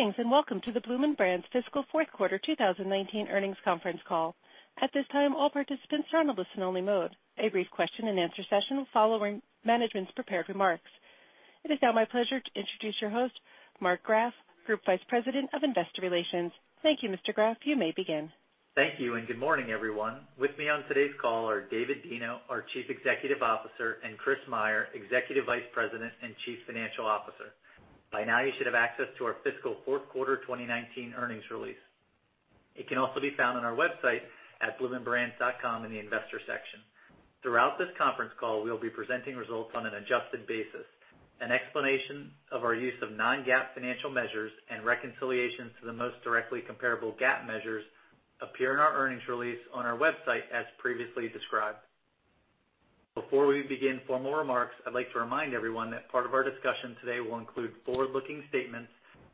Greetings, and welcome to the Bloomin' Brands fiscal fourth quarter 2019 earnings conference call. At this time, all participants are on a listen only mode. A brief question and answer session following management's prepared remarks. It is now my pleasure to introduce your host, Mark Graff, Group Vice President of Investor Relations. Thank you, Mr. Graff. You may begin. Thank you, and good morning, everyone. With me on today's call are David Deno, our Chief Executive Officer, and Chris Meyer, Executive Vice President and Chief Financial Officer. By now, you should have access to our fiscal fourth quarter 2019 earnings release. It can also be found on our website at bloominbrands.com in the investor section. Throughout this conference call, we'll be presenting results on an adjusted basis. An explanation of our use of non-GAAP financial measures and reconciliations to the most directly comparable GAAP measures appear in our earnings release on our website as previously described. Before we begin formal remarks, I'd like to remind everyone that part of our discussion today will include forward-looking statements,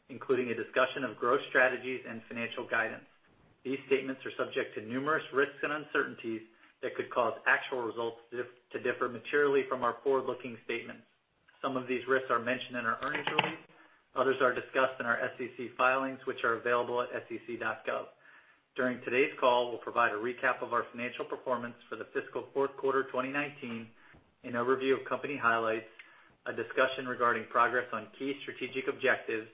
including a discussion of growth strategies and financial guidance. These statements are subject to numerous risks and uncertainties that could cause actual results to differ materially from our forward-looking statements. Some of these risks are mentioned in our earnings release. Others are discussed in our SEC filings, which are available at sec.gov. During today's call, we'll provide a recap of our financial performance for the fiscal fourth quarter 2019, an overview of company highlights, a discussion regarding progress on key strategic objectives,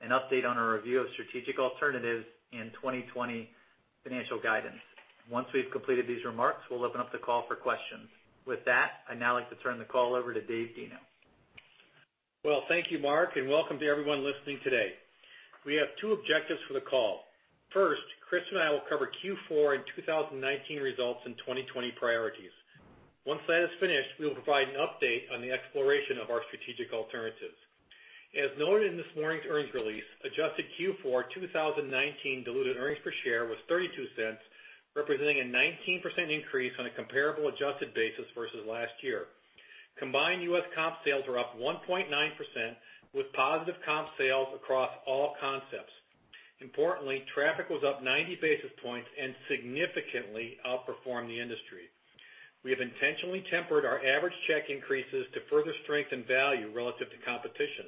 an update on our review of strategic alternatives, and 2020 financial guidance. Once we've completed these remarks, we'll open up the call for questions. With that, I'd now like to turn the call over to David Deno. Well, thank you, Mark. Welcome to everyone listening today. We have two objectives for the call. First, Chris and I will cover Q4 and 2019 results and 2020 priorities. Once that is finished, we will provide an update on the exploration of our strategic alternatives. As noted in this morning's earnings release, adjusted Q4 2019 diluted earnings per share was $0.32, representing a 19% increase on a comparable adjusted basis versus last year. Combined U.S. comp sales were up 1.9% with positive comp sales across all concepts. Importantly, traffic was up 90 basis points and significantly outperformed the industry. We have intentionally tempered our average check increases to further strengthen value relative to competition.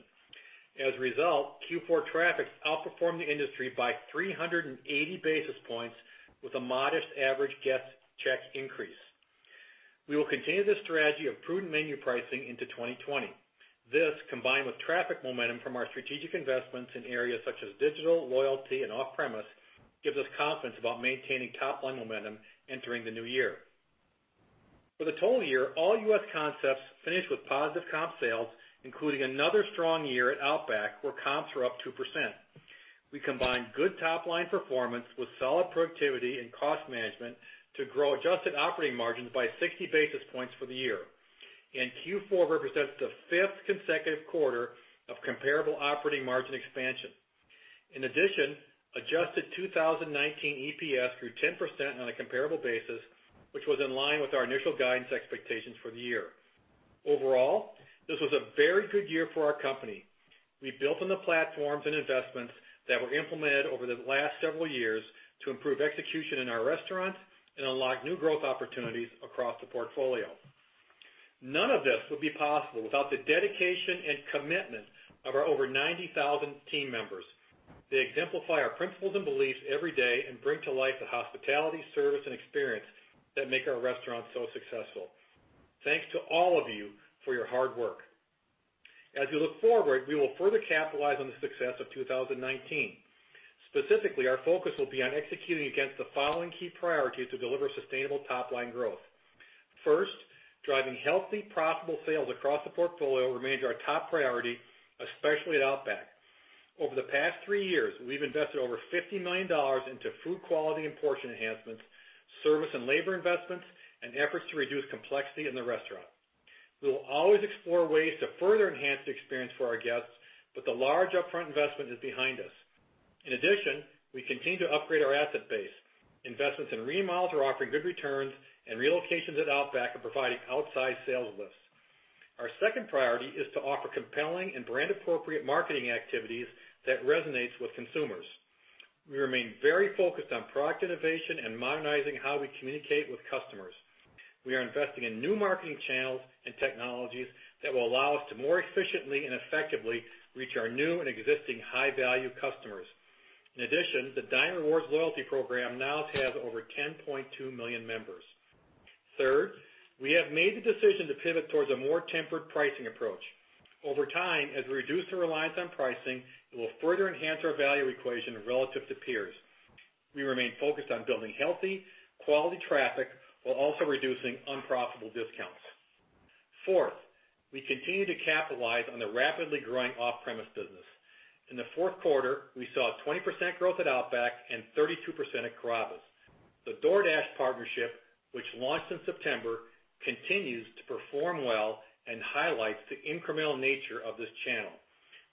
As a result, Q4 traffic outperformed the industry by 380 basis points with a modest average guest check increase. We will continue this strategy of prudent menu pricing into 2020. This, combined with traffic momentum from our strategic investments in areas such as digital, loyalty, and off-premise, gives us confidence about maintaining top-line momentum entering the new year. For the total year, all U.S. concepts finished with positive comp sales, including another strong year at Outback, where comps were up 2%. We combined good top-line performance with solid productivity and cost management to grow adjusted operating margins by 60 basis points for the year. Q4 represents the fifth consecutive quarter of comparable operating margin expansion. In addition, adjusted 2019 EPS grew 10% on a comparable basis, which was in line with our initial guidance expectations for the year. Overall, this was a very good year for our company. We built on the platforms and investments that were implemented over the last several years to improve execution in our restaurants and unlock new growth opportunities across the portfolio. None of this would be possible without the dedication and commitment of our over 90,000 team members. They exemplify our principles and beliefs every day and bring to life the hospitality, service, and experience that make our restaurants so successful. Thanks to all of you for your hard work. As we look forward, we will further capitalize on the success of 2019. Specifically, our focus will be on executing against the following key priorities to deliver sustainable top-line growth. First, driving healthy, profitable sales across the portfolio remains our top priority, especially at Outback. Over the past three years, we've invested over $50 million into food quality and portion enhancements, service and labor investments, and efforts to reduce complexity in the restaurant. We will always explore ways to further enhance the experience for our guests, but the large upfront investment is behind us. In addition, we continue to upgrade our asset base. Investments in remodels are offering good returns, and relocations at Outback are providing outsized sales lifts. Our second priority is to offer compelling and brand-appropriate marketing activities that resonates with consumers. We remain very focused on product innovation and modernizing how we communicate with customers. We are investing in new marketing channels and technologies that will allow us to more efficiently and effectively reach our new and existing high-value customers. In addition, the Dine Rewards loyalty program now has over 10.2 million members. Third, we have made the decision to pivot towards a more tempered pricing approach. Over time, as we reduce the reliance on pricing, it will further enhance our value equation relative to peers. We remain focused on building healthy, quality traffic while also reducing unprofitable discounts. Fourth, we continue to capitalize on the rapidly growing off-premise business. In the fourth quarter, we saw a 20% growth at Outback and 32% at Carrabba's. The DoorDash partnership, which launched in September, continues to perform well and highlights the incremental nature of this channel.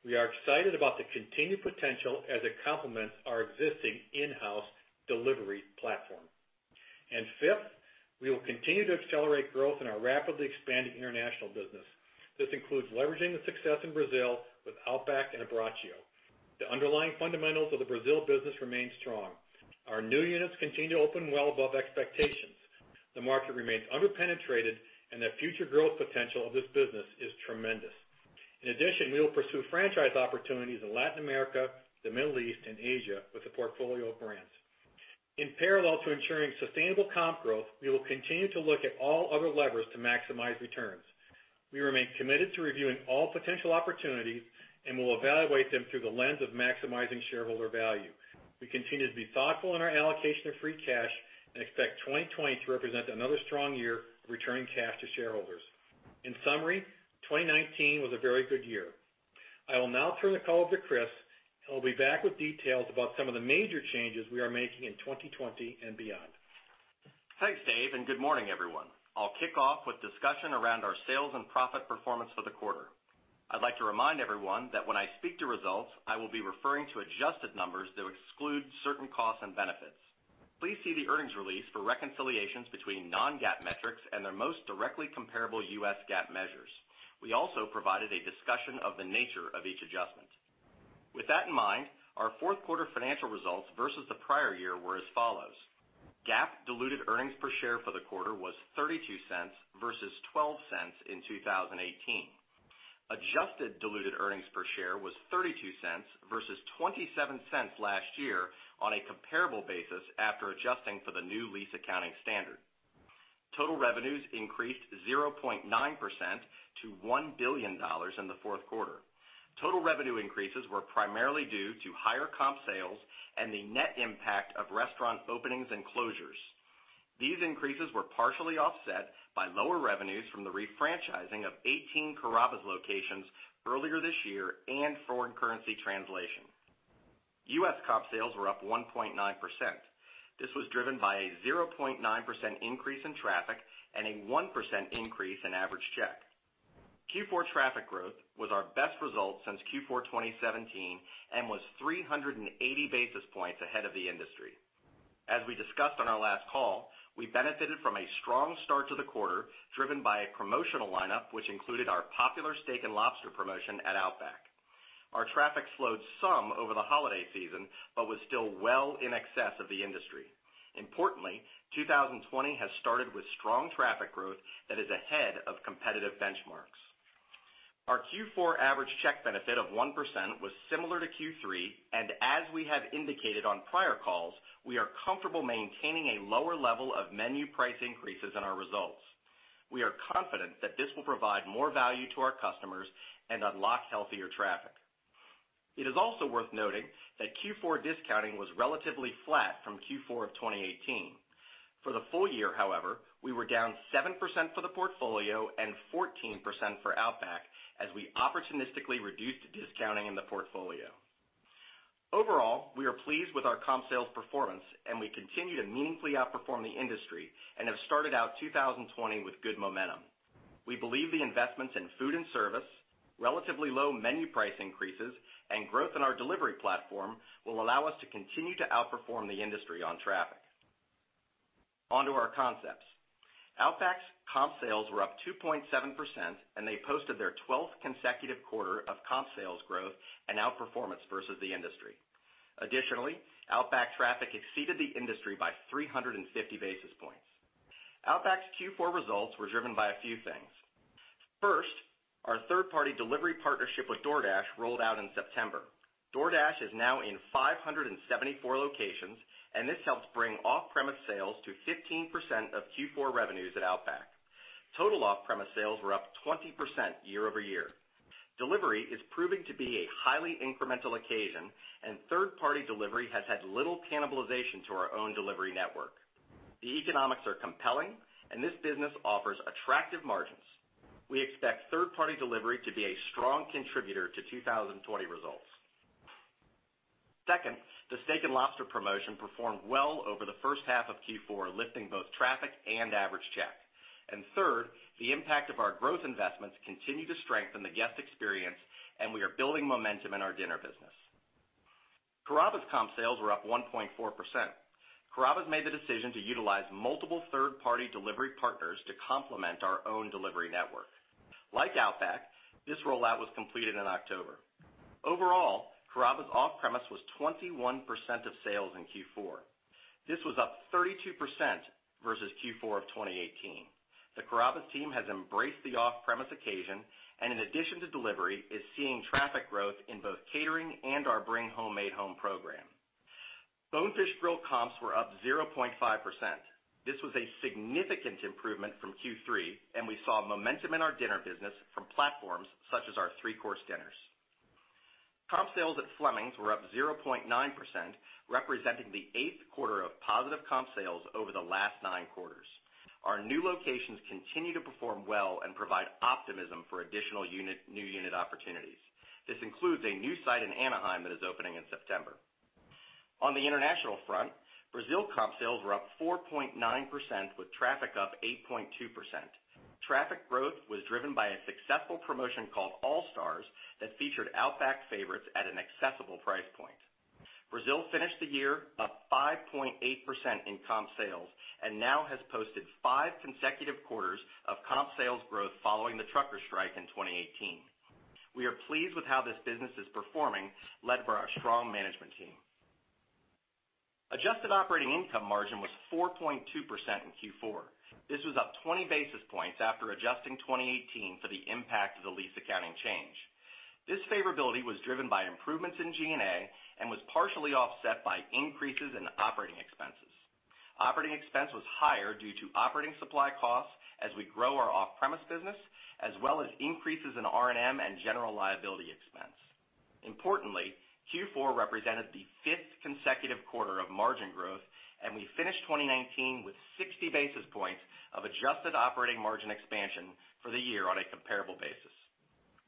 We are excited about the continued potential as it complements our existing in-house delivery platform. Fifth, we will continue to accelerate growth in our rapidly expanding international business. This includes leveraging the success in Brazil with Outback and Abbraccio. The underlying fundamentals of the Brazil business remain strong. Our new units continue to open well above expectations. The market remains under-penetrated, and the future growth potential of this business is tremendous. In addition, we will pursue franchise opportunities in Latin America, the Middle East, and Asia with a portfolio of brands. In parallel to ensuring sustainable comp growth, we will continue to look at all other levers to maximize returns. We remain committed to reviewing all potential opportunities, and we'll evaluate them through the lens of maximizing shareholder value. We continue to be thoughtful in our allocation of free cash and expect 2020 to represent another strong year of returning cash to shareholders. In summary, 2019 was a very good year. I will now turn the call over to Chris, who will be back with details about some of the major changes we are making in 2020 and beyond. Thanks, David, good morning, everyone. I'll kick off with discussion around our sales and profit performance for the quarter. I'd like to remind everyone that when I speak to results, I will be referring to adjusted numbers that exclude certain costs and benefits. Please see the earnings release for reconciliations between non-GAAP metrics and their most directly comparable U.S. GAAP measures. We also provided a discussion of the nature of each adjustment. With that in mind, our fourth quarter financial results versus the prior year were as follows. GAAP diluted earnings per share for the quarter was $0.32 versus $0.12 in 2018. Adjusted diluted earnings per share was $0.32 versus $0.27 last year on a comparable basis after adjusting for the new lease accounting standard. Total revenues increased 0.9% to $1 billion in the fourth quarter. Total revenue increases were primarily due to higher comp sales and the net impact of restaurant openings and closures. These increases were partially offset by lower revenues from the refranchising of 18 Carrabba's locations earlier this year and foreign currency translation. U.S. comp sales were up 1.9%. This was driven by a 0.9% increase in traffic and a 1% increase in average check. Q4 traffic growth was our best result since Q4 2017 and was 380 basis points ahead of the industry. As we discussed on our last call, we benefited from a strong start to the quarter, driven by a promotional lineup which included our popular steak and lobster promotion at Outback. Our traffic slowed some over the holiday season, was still well in excess of the industry. Importantly, 2020 has started with strong traffic growth that is ahead of competitive benchmarks. Our Q4 average check benefit of 1% was similar to Q3. As we have indicated on prior calls, we are comfortable maintaining a lower level of menu price increases in our results. We are confident that this will provide more value to our customers and unlock healthier traffic. It is also worth noting that Q4 discounting was relatively flat from Q4 of 2018. For the full year, however, we were down 7% for the portfolio and 14% for Outback as we opportunistically reduced discounting in the portfolio. Overall, we are pleased with our comp sales performance. We continue to meaningfully outperform the industry and have started out 2020 with good momentum. We believe the investments in food and service, relatively low menu price increases, and growth in our delivery platform will allow us to continue to outperform the industry on traffic. On to our concepts. Outback's comp sales were up 2.7%, and they posted their 12th consecutive quarter of comp sales growth and outperformance versus the industry. Additionally, Outback traffic exceeded the industry by 350 basis points. Outback's Q4 results were driven by a few things. First, our third-party delivery partnership with DoorDash rolled out in September. DoorDash is now in 574 locations, and this helps bring off-premise sales to 15% of Q4 revenues at Outback. Total off-premise sales were up 20% year-over-year. Delivery is proving to be a highly incremental occasion, and third-party delivery has had little cannibalization to our own delivery network. The economics are compelling, and this business offers attractive margins. We expect third-party delivery to be a strong contributor to 2020 results. Second, the steak and lobster promotion performed well over the first half of Q4, lifting both traffic and average check. Third, the impact of our growth investments continue to strengthen the guest experience, and we are building momentum in our dinner business. Carrabba's comp sales were up 1.4%. Carrabba's made the decision to utilize multiple third-party delivery partners to complement our own delivery network. Like Outback, this rollout was completed in October. Overall, Carrabba's off-premise was 21% of sales in Q4. This was up 32% versus Q4 of 2018. The Carrabba's team has embraced the off-premise occasion, and in addition to delivery, is seeing traffic growth in both catering and our Bring Home Made Home program. Bonefish Grill comps were up 0.5%. This was a significant improvement from Q3, and we saw momentum in our dinner business from platforms such as our three-course dinners. Comp sales at Fleming's were up 0.9%, representing the eighth quarter of positive comp sales over the last nine quarters. Our new locations continue to perform well and provide optimism for additional new unit opportunities. This includes a new site in Anaheim that is opening in September. On the international front, Brazil comp sales were up 4.9% with traffic up 8.2%. Traffic growth was driven by a successful promotion called All Stars that featured Outback favorites at an accessible price point. Brazil finished the year up 5.8% in comp sales and now has posted five consecutive quarters of comp sales growth following the trucker strike in 2018. We are pleased with how this business is performing, led by our strong management team. Adjusted operating income margin was 4.2% in Q4. This was up 20 basis points after adjusting 2018 for the impact of the lease accounting change. This favorability was driven by improvements in G&A and was partially offset by increases in operating expenses. Operating expense was higher due to operating supply costs as we grow our off-premise business, as well as increases in R&M and general liability expense. Importantly, Q4 represented the fifth consecutive quarter of margin growth, and we finished 2019 with 60 basis points of adjusted operating margin expansion for the year on a comparable basis.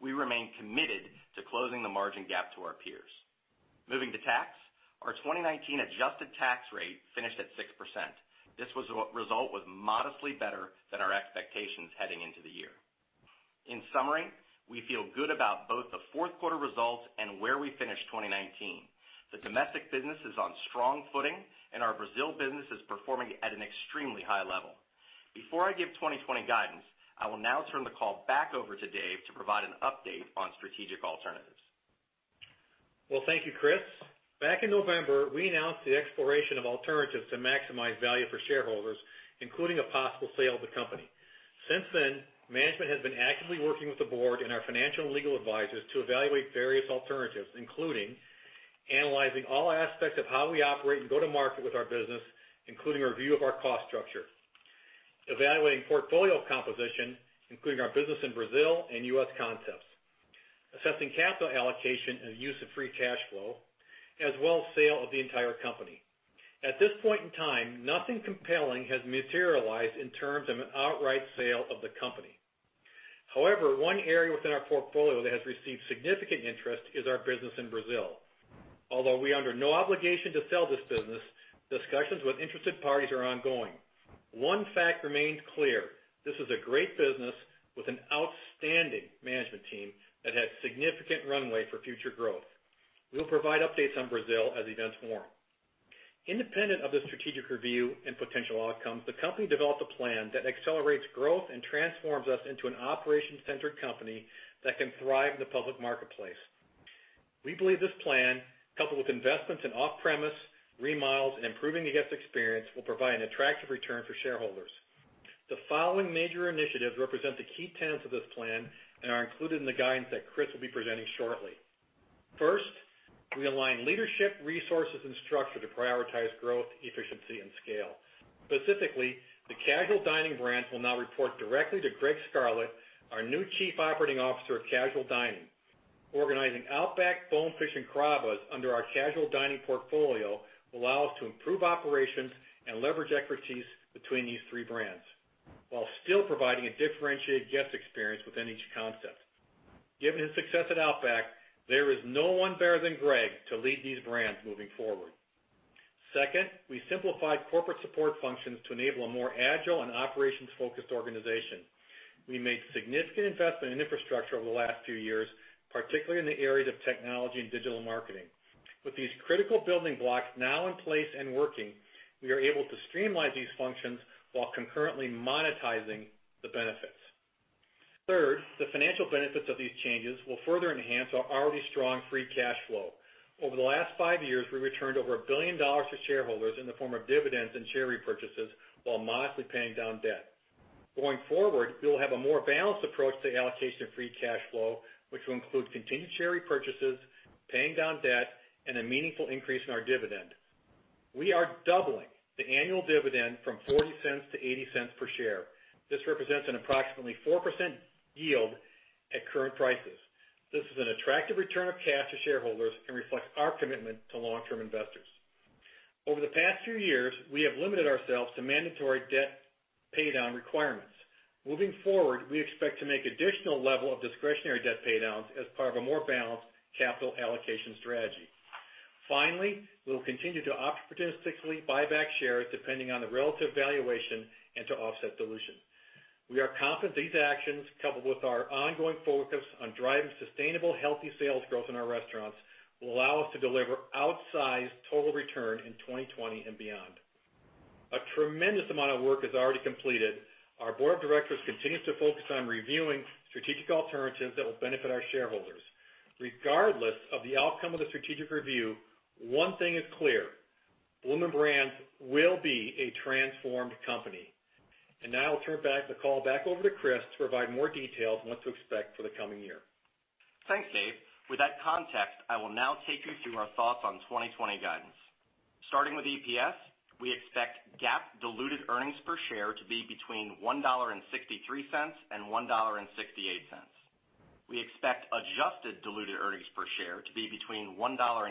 We remain committed to closing the margin gap to our peers. Moving to tax, our 2019 adjusted tax rate finished at 6%. This result was modestly better than our expectations heading into the year. In summary, we feel good about both the fourth quarter results and where we finished 2019. The domestic business is on strong footing, and our Brazil business is performing at an extremely high level. Before I give 2020 guidance, I will now turn the call back over to Dave to provide an update on strategic alternatives. Well, thank you, Chris. Back in November, we announced the exploration of alternatives to maximize value for shareholders, including a possible sale of the company. Since then, management has been actively working with the board and our financial and legal advisors to evaluate various alternatives, including analyzing all aspects of how we operate and go to market with our business, including a review of our cost structure, evaluating portfolio composition, including our business in Brazil and U.S. concepts, assessing capital allocation and use of free cash flow, as well as sale of the entire company. At this point in time, nothing compelling has materialized in terms of an outright sale of the company. However, one area within our portfolio that has received significant interest is our business in Brazil. Although we are under no obligation to sell this business, discussions with interested parties are ongoing. One fact remains clear, this is a great business with an outstanding management team that has significant runway for future growth. We will provide updates on Brazil as events warrant. Independent of the strategic review and potential outcomes, the company developed a plan that accelerates growth and transforms us into an operation-centric company that can thrive in the public marketplace. We believe this plan, coupled with investments in off-premise, remods, and improving the guest experience, will provide an attractive return for shareholders. The following major initiatives represent the key tenets of this plan and are included in the guidance that Chris will be presenting shortly. First, we align leadership, resources, and structure to prioritize growth, efficiency, and scale. Specifically, the casual dining brands will now report directly to Gregg Scarlett, our new Chief Operating Officer of casual dining. Organizing Outback, Bonefish and Carrabba's under our casual dining portfolio will allow us to improve operations and leverage expertise between these three brands while still providing a differentiated guest experience within each concept. Given his success at Outback, there is no one better than Gregg to lead these brands moving forward. Second, we simplified corporate support functions to enable a more agile and operations-focused organization. We made significant investment in infrastructure over the last few years, particularly in the areas of technology and digital marketing. With these critical building blocks now in place and working, we are able to streamline these functions while concurrently monetizing the benefits. Third, the financial benefits of these changes will further enhance our already strong free cash flow. Over the last five years, we returned over $1 billion to shareholders in the form of dividends and share repurchases while modestly paying down debt. Going forward, we will have a more balanced approach to allocation of free cash flow, which will include continued share repurchases, paying down debt, and a meaningful increase in our dividend. We are doubling the annual dividend from $0.40 to $0.80 per share. This represents an approximately 4% yield at current prices. This is an attractive return of cash to shareholders and reflects our commitment to long-term investors. Over the past few years, we have limited ourselves to mandatory debt paydown requirements. Moving forward, we expect to make additional level of discretionary debt paydowns as part of a more balanced capital allocation strategy. Finally, we will continue to opportunistically buy back shares depending on the relative valuation and to offset dilution. We are confident these actions, coupled with our ongoing focus on driving sustainable, healthy sales growth in our restaurants, will allow us to deliver outsized total return in 2020 and beyond. A tremendous amount of work is already completed. Our board of directors continues to focus on reviewing strategic alternatives that will benefit our shareholders. Regardless of the outcome of the strategic review, one thing is clear, Bloomin' Brands will be a transformed company. Now I'll turn the call back over to Chris to provide more details on what to expect for the coming year. Thanks, Dave. With that context, I will now take you through our thoughts on 2020 guidance. Starting with EPS, we expect GAAP diluted earnings per share to be between $1.63 and $1.68. We expect adjusted diluted earnings per share to be between $1.85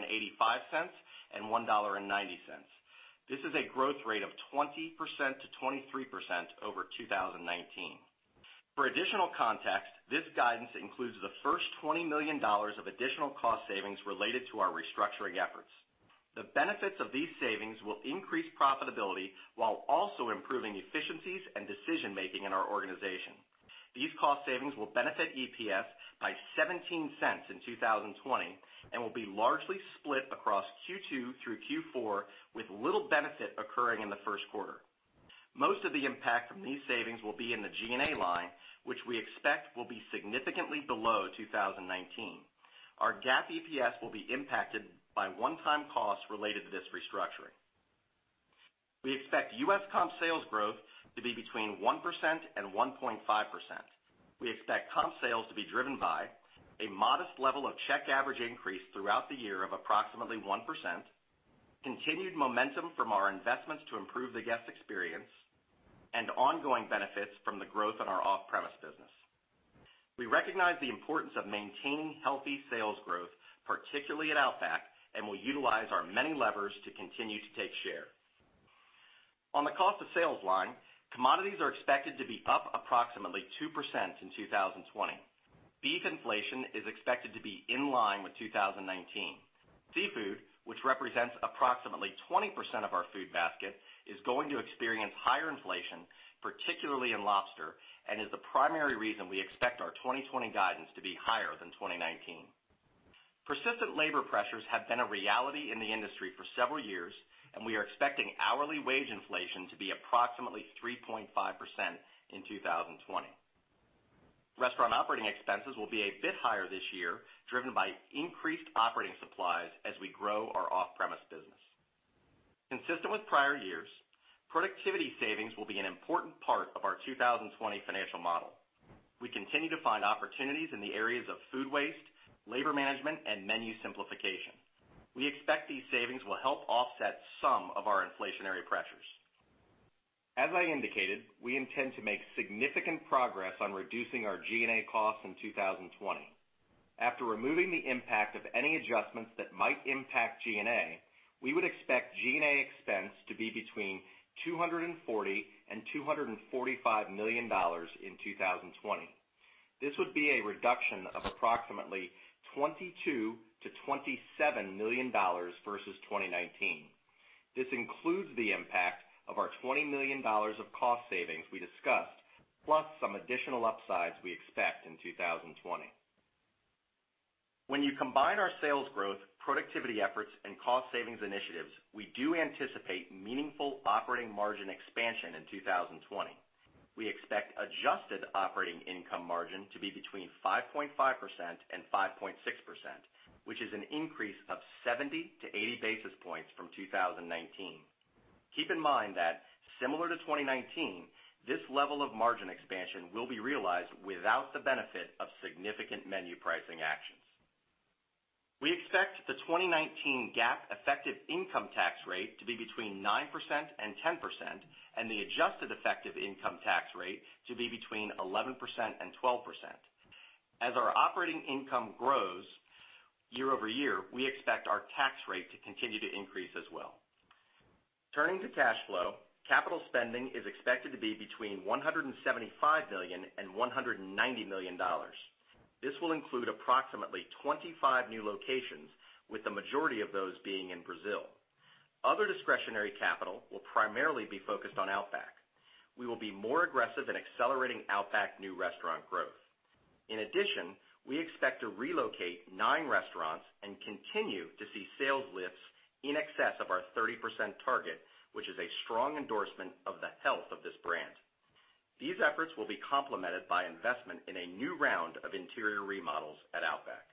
and $1.90. This is a growth rate of 20%-23% over 2019. For additional context, this guidance includes the first $20 million of additional cost savings related to our restructuring efforts. The benefits of these savings will increase profitability while also improving efficiencies and decision-making in our organization. These cost savings will benefit EPS by $0.17 in 2020 and will be largely split across Q2 through Q4, with little benefit occurring in the first quarter. Most of the impact from these savings will be in the G&A line, which we expect will be significantly below 2019. Our GAAP EPS will be impacted by one-time costs related to this restructuring. We expect U.S. comp sales growth to be between 1% and 1.5%. We expect comp sales to be driven by a modest level of check average increase throughout the year of approximately 1%, continued momentum from our investments to improve the guest experience, and ongoing benefits from the growth in our off-premise business. We recognize the importance of maintaining healthy sales growth, particularly at Outback, and will utilize our many levers to continue to take share. On the cost of sales line, commodities are expected to be up approximately 2% in 2020. Beef inflation is expected to be in line with 2019. Seafood, which represents approximately 20% of our food basket, is going to experience higher inflation, particularly in lobster, and is the primary reason we expect our 2020 guidance to be higher than 2019. Persistent labor pressures have been a reality in the industry for several years, and we are expecting hourly wage inflation to be approximately 3.5% in 2020. Restaurant operating expenses will be a bit higher this year, driven by increased operating supplies as we grow our off-premise business. Consistent with prior years, productivity savings will be an important part of our 2020 financial model. We continue to find opportunities in the areas of food waste, labor management, and menu simplification. We expect these savings will help offset some of our inflationary pressures. As I indicated, we intend to make significant progress on reducing our G&A costs in 2020. After removing the impact of any adjustments that might impact G&A, we would expect G&A expense to be between $240 million-$245 million in 2020. This would be a reduction of approximately $22 million-$27 million versus 2019. This includes the impact of our $20 million of cost savings we discussed, plus some additional upsides we expect in 2020. When you combine our sales growth, productivity efforts, and cost savings initiatives, we do anticipate meaningful operating margin expansion in 2020. We expect adjusted operating income margin to be between 5.5% and 5.6%, which is an increase of 70 to 80 basis points from 2019. Keep in mind that similar to 2019, this level of margin expansion will be realized without the benefit of significant menu pricing actions. We expect the 2019 GAAP effective income tax rate to be between 9% and 10%, and the adjusted effective income tax rate to be between 11% and 12%. As our operating income grows year-over-year, we expect our tax rate to continue to increase as well. Turning to cash flow, capital spending is expected to be between $175 million and $190 million. This will include approximately 25 new locations, with the majority of those being in Brazil. Other discretionary capital will primarily be focused on Outback. We will be more aggressive in accelerating Outback new restaurant growth. In addition, we expect to relocate nine restaurants and continue to see sales lifts in excess of our 30% target, which is a strong endorsement of the health of this brand. These efforts will be complemented by investment in a new round of interior remodels at Outback.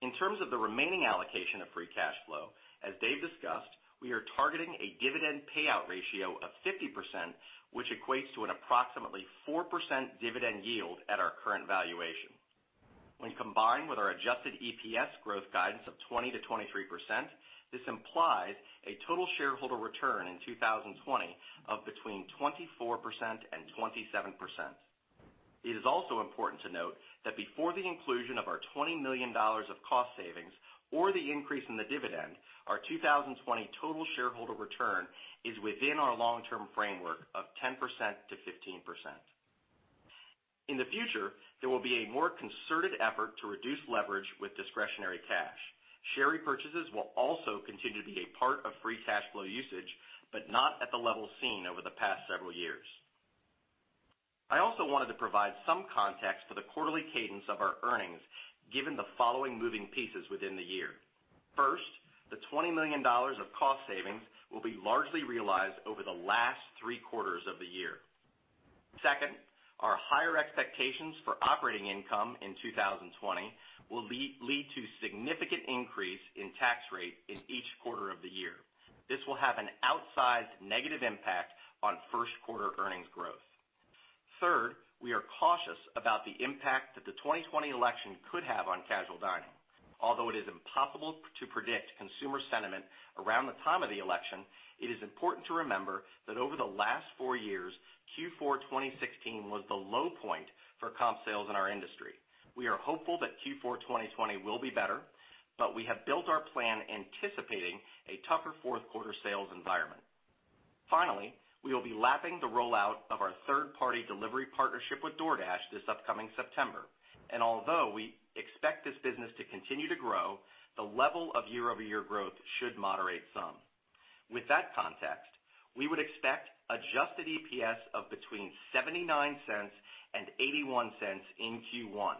In terms of the remaining allocation of free cash flow, as Dave discussed, we are targeting a dividend payout ratio of 50%, which equates to an approximately 4% dividend yield at our current valuation. When combined with our adjusted EPS growth guidance of 20%-23%, this implies a total shareholder return in 2020 of between 24% and 27%. It is also important to note that before the inclusion of our $20 million of cost savings or the increase in the dividend, our 2020 total shareholder return is within our long-term framework of 10%-15%. In the future, there will be a more concerted effort to reduce leverage with discretionary cash. Share repurchases will also continue to be a part of free cash flow usage, but not at the levels seen over the past several years. I also wanted to provide some context for the quarterly cadence of our earnings, given the following moving pieces within the year. First, the $20 million of cost savings will be largely realized over the last three quarters of the year. Second, our higher expectations for operating income in 2020 will lead to significant increase in tax rate in each quarter of the year. This will have an outsized negative impact on first quarter earnings growth. Third, we are cautious about the impact that the 2020 election could have on casual dining. Although it is impossible to predict consumer sentiment around the time of the election, it is important to remember that over the last four years, Q4 2016 was the low point for comp sales in our industry. We are hopeful that Q4 2020 will be better, but we have built our plan anticipating a tougher fourth quarter sales environment. Finally, we will be lapping the rollout of our third-party delivery partnership with DoorDash this upcoming September, and although we expect this business to continue to grow, the level of year-over-year growth should moderate some. With that context, we would expect adjusted EPS of between $0.79 and $0.81 in Q1.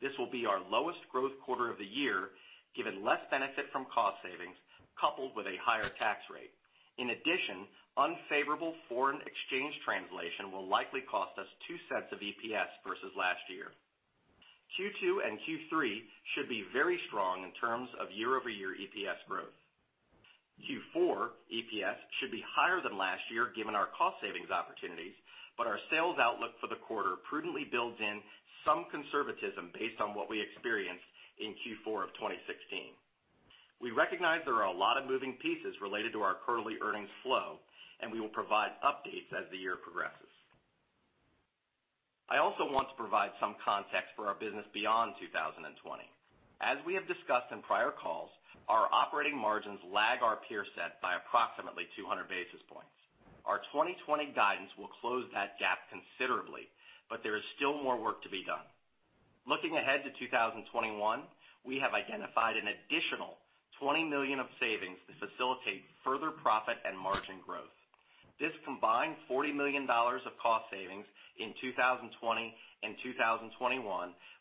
This will be our lowest growth quarter of the year, given less benefit from cost savings, coupled with a higher tax rate. Unfavorable foreign exchange translation will likely cost us $0.02 of EPS versus last year. Q2 and Q3 should be very strong in terms of year-over-year EPS growth. Q4 EPS should be higher than last year, given our cost savings opportunities, our sales outlook for the quarter prudently builds in some conservatism based on what we experienced in Q4 of 2016. We recognize there are a lot of moving pieces related to our current earnings flow, we will provide updates as the year progresses. I also want to provide some context for our business beyond 2020. As we have discussed in prior calls, our operating margins lag our peer set by approximately 200 basis points. Our 2020 guidance will close that gap considerably, but there is still more work to be done. Looking ahead to 2021, we have identified an additional $20 million of savings to facilitate further profit and margin growth. This combined $40 million of cost savings in 2020 and 2021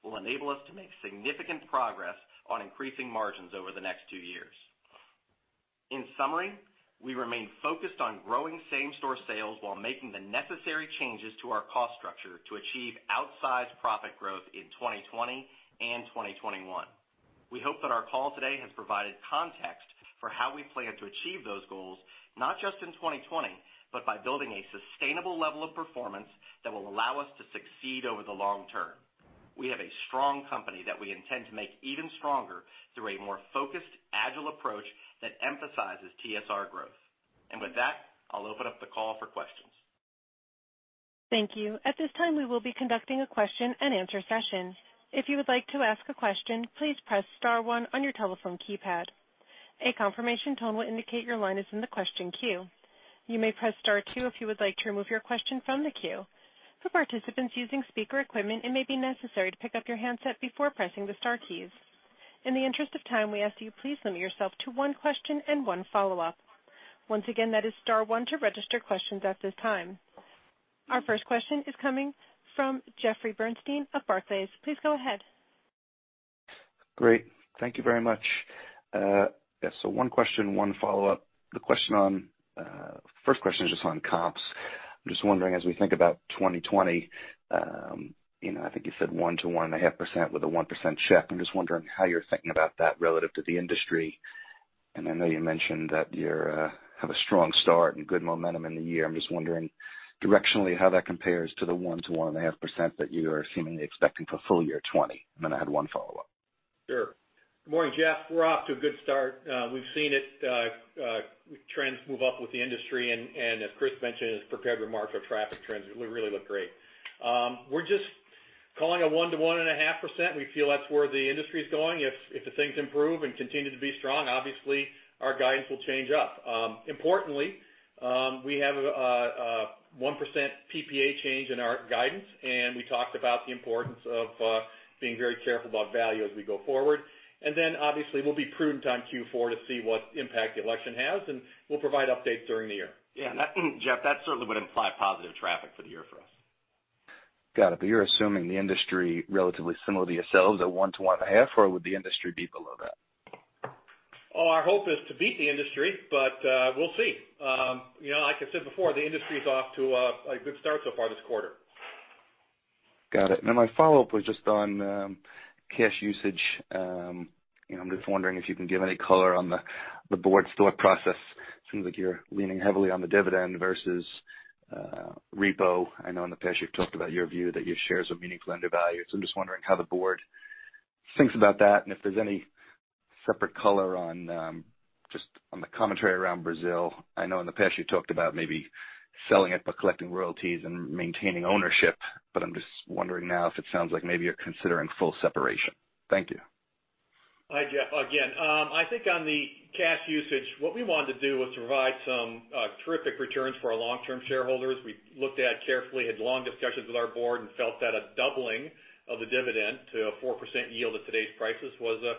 will enable us to make significant progress on increasing margins over the next two years. In summary, we remain focused on growing same-store sales while making the necessary changes to our cost structure to achieve outsized profit growth in 2020 and 2021. We hope that our call today has provided context for how we plan to achieve those goals, not just in 2020, but by building a sustainable level of performance that will allow us to succeed over the long term. We have a strong company that we intend to make even stronger through a more focused, agile approach that emphasizes TSR growth. With that, I'll open up the call for questions. Thank you. At this time, we will be conducting a question and answer session. If you would like to ask a question, please press star one on your telephone keypad. A confirmation tone will indicate your line is in the question queue. You may press star two if you would like to remove your question from the queue. For participants using speaker equipment, it may be necessary to pick up your handset before pressing the star keys. In the interest of time, we ask that you please limit yourself to one question and one follow-up. Once again, that is star one to register questions at this time. Our first question is coming from Jeffrey Bernstein of Barclays. Please go ahead. Great. Thank you very much. So one question, one follow-up. The first question is just on comps. I'm just wondering, as we think about 2020, I think you said 1%-1.5% with a 1% check. I'm just wondering how you're thinking about that relative to the industry. I know you mentioned that you have a strong start and good momentum in the year. I'm just wondering directionally how that compares to the 1%-1.5% that you are seemingly expecting for full year 2020. I had one follow-up. Sure. Good morning, Jeff. We're off to a good start. We've seen trends move up with the industry and, as Chris mentioned in his prepared remarks, our traffic trends really look great. We're just calling it 1%-1.5%. We feel that's where the industry is going. If the things improve and continue to be strong, obviously, our guidance will change up. Importantly, we have a 1% PPA change in our guidance, and we talked about the importance of being very careful about value as we go forward. Obviously, we'll be prudent on Q4 to see what impact the election has, and we'll provide updates during the year. Yeah, Jeff, that certainly would imply positive traffic for the year for us. Got it. You're assuming the industry relatively similar to yourselves at 1%-1.5%, or would the industry be below that? Our hope is to beat the industry, but we'll see. Like I said before, the industry's off to a good start so far this quarter. Got it. My follow-up was just on cash usage. I'm just wondering if you can give any color on the board's thought process. It seems like you're leaning heavily on the dividend versus repo. I know in the past you've talked about your view that your shares are meaningfully undervalued. I'm just wondering how the board thinks about that and if there's any separate color on just on the commentary around Brazil. I know in the past you talked about maybe selling it but collecting royalties and maintaining ownership, but I'm just wondering now if it sounds like maybe you're considering full separation. Thank you. Hi, Jeff. Again. I think on the cash usage, what we wanted to do was provide some terrific returns for our long-term shareholders. We looked at it carefully, had long discussions with our board and felt that a doubling of the dividend to a 4% yield at today's prices was a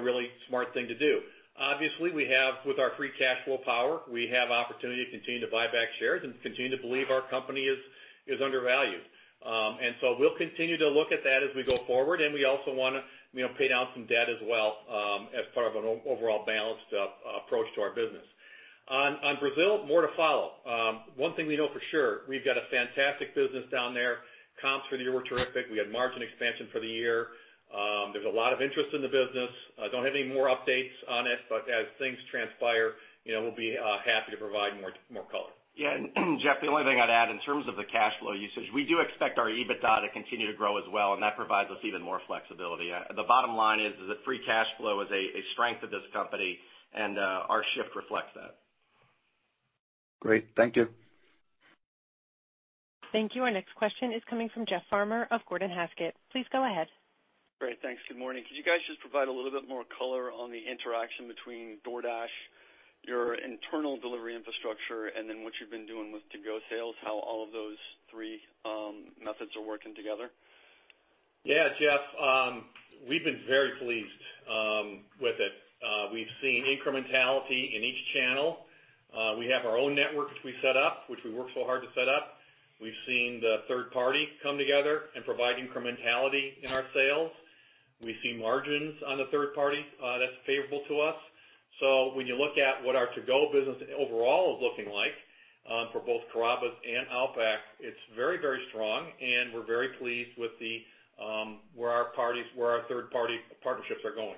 really smart thing to do. Obviously, with our free cash flow power, we have opportunity to continue to buy back shares and continue to believe our company is undervalued. We'll continue to look at that as we go forward, and we also want to pay down some debt as well as part of an overall balanced approach to our business. On Brazil, more to follow. One thing we know for sure, we've got a fantastic business down there. Comps for the year were terrific. We had margin expansion for the year. There's a lot of interest in the business. I don't have any more updates on it. As things transpire, we'll be happy to provide more color. Jeff, the only thing I'd add in terms of the cash flow usage, we do expect our EBITDA to continue to grow as well, and that provides us even more flexibility. The bottom line is that free cash flow is a strength of this company, and our shift reflects that. Great. Thank you. Thank you. Our next question is coming from Jeff Farmer of Gordon Haskett. Please go ahead. Great. Thanks. Good morning. Could you guys just provide a little bit more color on the interaction between DoorDash, your internal delivery infrastructure, and then what you've been doing with to-go sales, how all of those three methods are working together? Yeah, Jeff, we've been very pleased with it. We've seen incrementality in each channel. We have our own network, which we set up, which we worked so hard to set up. We've seen the third party come together and provide incrementality in our sales. We see margins on the third party that's favorable to us. When you look at what our to-go business overall is looking like for both Carrabba's and Outback, it's very, very strong, and we're very pleased with where our third party partnerships are going.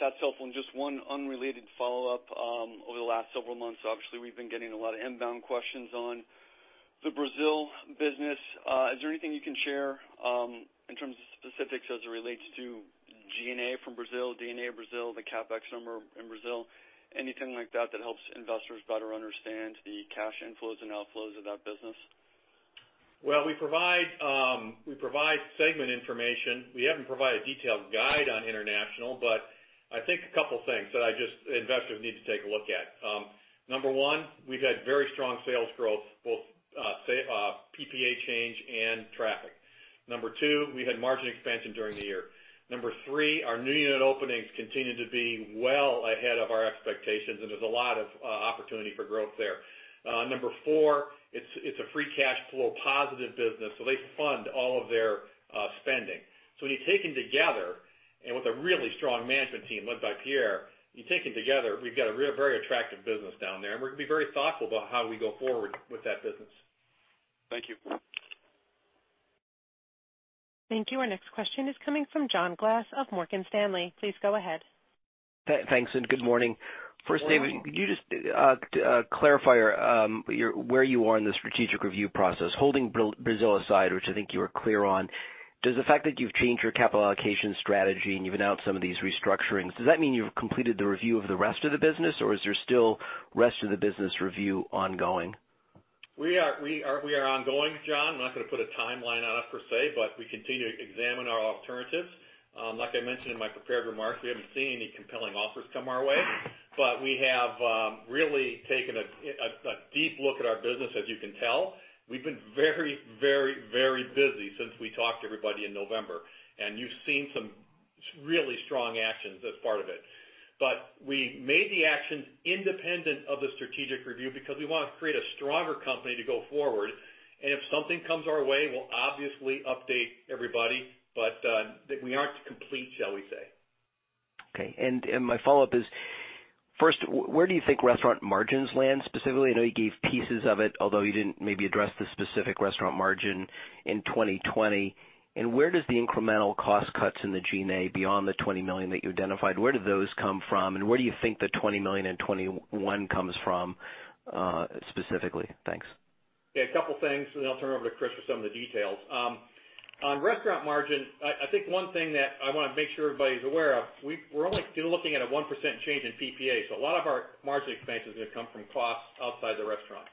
That's helpful. Just one unrelated follow-up. Over the last several months, obviously, we've been getting a lot of inbound questions on the Brazil business. Is there anything you can share in terms of specifics as it relates to G&A from Brazil, D&A Brazil, the CapEx number in Brazil, anything like that helps investors better understand the cash inflows and outflows of that business? We provide segment information. We haven't provided a detailed guide on international, but I think a couple of things that investors need to take a look at. number one, we've had very strong sales growth, both PPA change and traffic. number two, we had margin expansion during the year. number three, our new unit openings continue to be well ahead of our expectations, and there's a lot of opportunity for growth there. number four, it's a free cash flow positive business, so they fund all of their spending. When you take them together and with a really strong management team led by Pierre, you take them together, we've got a very attractive business down there, and we're going to be very thoughtful about how we go forward with that business. Thank you. Thank you. Our next question is coming from John Glass of Morgan Stanley. Please go ahead. Thanks, good morning. Good morning. First, David, could you just clarify where you are in the strategic review process? Holding Brazil aside, which I think you were clear on, does the fact that you've changed your capital allocation strategy and you've announced some of these restructurings, does that mean you've completed the review of the rest of the business, or is there still rest of the business review ongoing? We are ongoing, John. I'm not going to put a timeline on it per se, but we continue to examine our alternatives. Like I mentioned in my prepared remarks, we haven't seen any compelling offers come our way, but we have really taken a deep look at our business, as you can tell. We've been very busy since we talked to everybody in November, and you've seen some really strong actions as part of it. We made the actions independent of the strategic review because we want to create a stronger company to go forward, and if something comes our way, we'll obviously update everybody. We aren't complete, shall we say. Okay. My follow-up is, first, where do you think restaurant margins land specifically? I know you gave pieces of it, although you didn't maybe address the specific restaurant margin in 2020. Where does the incremental cost cuts in the G&A beyond the $20 million that you identified, where do those come from, and where do you think the $20 million in 2021 comes from specifically? Thanks. Yeah, a couple of things, and then I'll turn it over to Chris for some of the details. On restaurant margin, I think one thing that I want to make sure everybody is aware of, we're only looking at a 1% change in PPA. A lot of our margin expansion is going to come from costs outside the restaurant.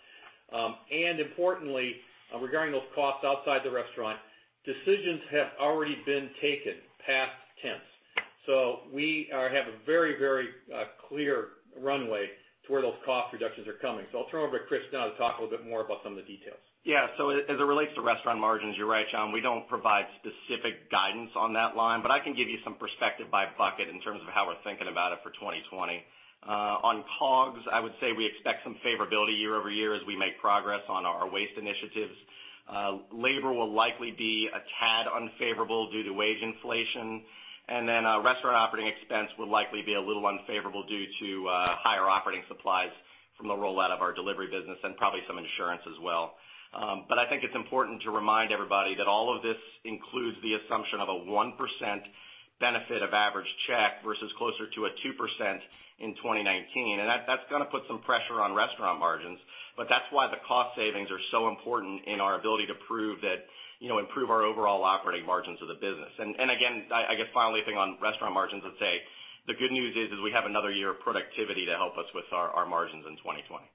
Importantly, regarding those costs outside the restaurant, decisions have already been taken past tense. We have a very clear runway to where those cost reductions are coming. I'll turn over to Chris now to talk a little bit more about some of the details. Yeah. As it relates to restaurant margins, you're right, John. We don't provide specific guidance on that line, but I can give you some perspective by bucket in terms of how we're thinking about it for 2020. On COGS, I would say we expect some favorability year-over-year as we make progress on our waste initiatives. Labor will likely be a tad unfavorable due to wage inflation. Then restaurant operating expense will likely be a little unfavorable due to higher operating supplies from the rollout of our delivery business and probably some insurance as well. I think it's important to remind everybody that all of this includes the assumption of a 1% benefit of average check versus closer to a 2% in 2019. That's going to put some pressure on restaurant margins, but that's why the cost savings are so important in our ability to improve our overall operating margins of the business. Again, I guess finally on restaurant margins, I'd say the good news is we have another year of productivity to help us with our margins in 2020.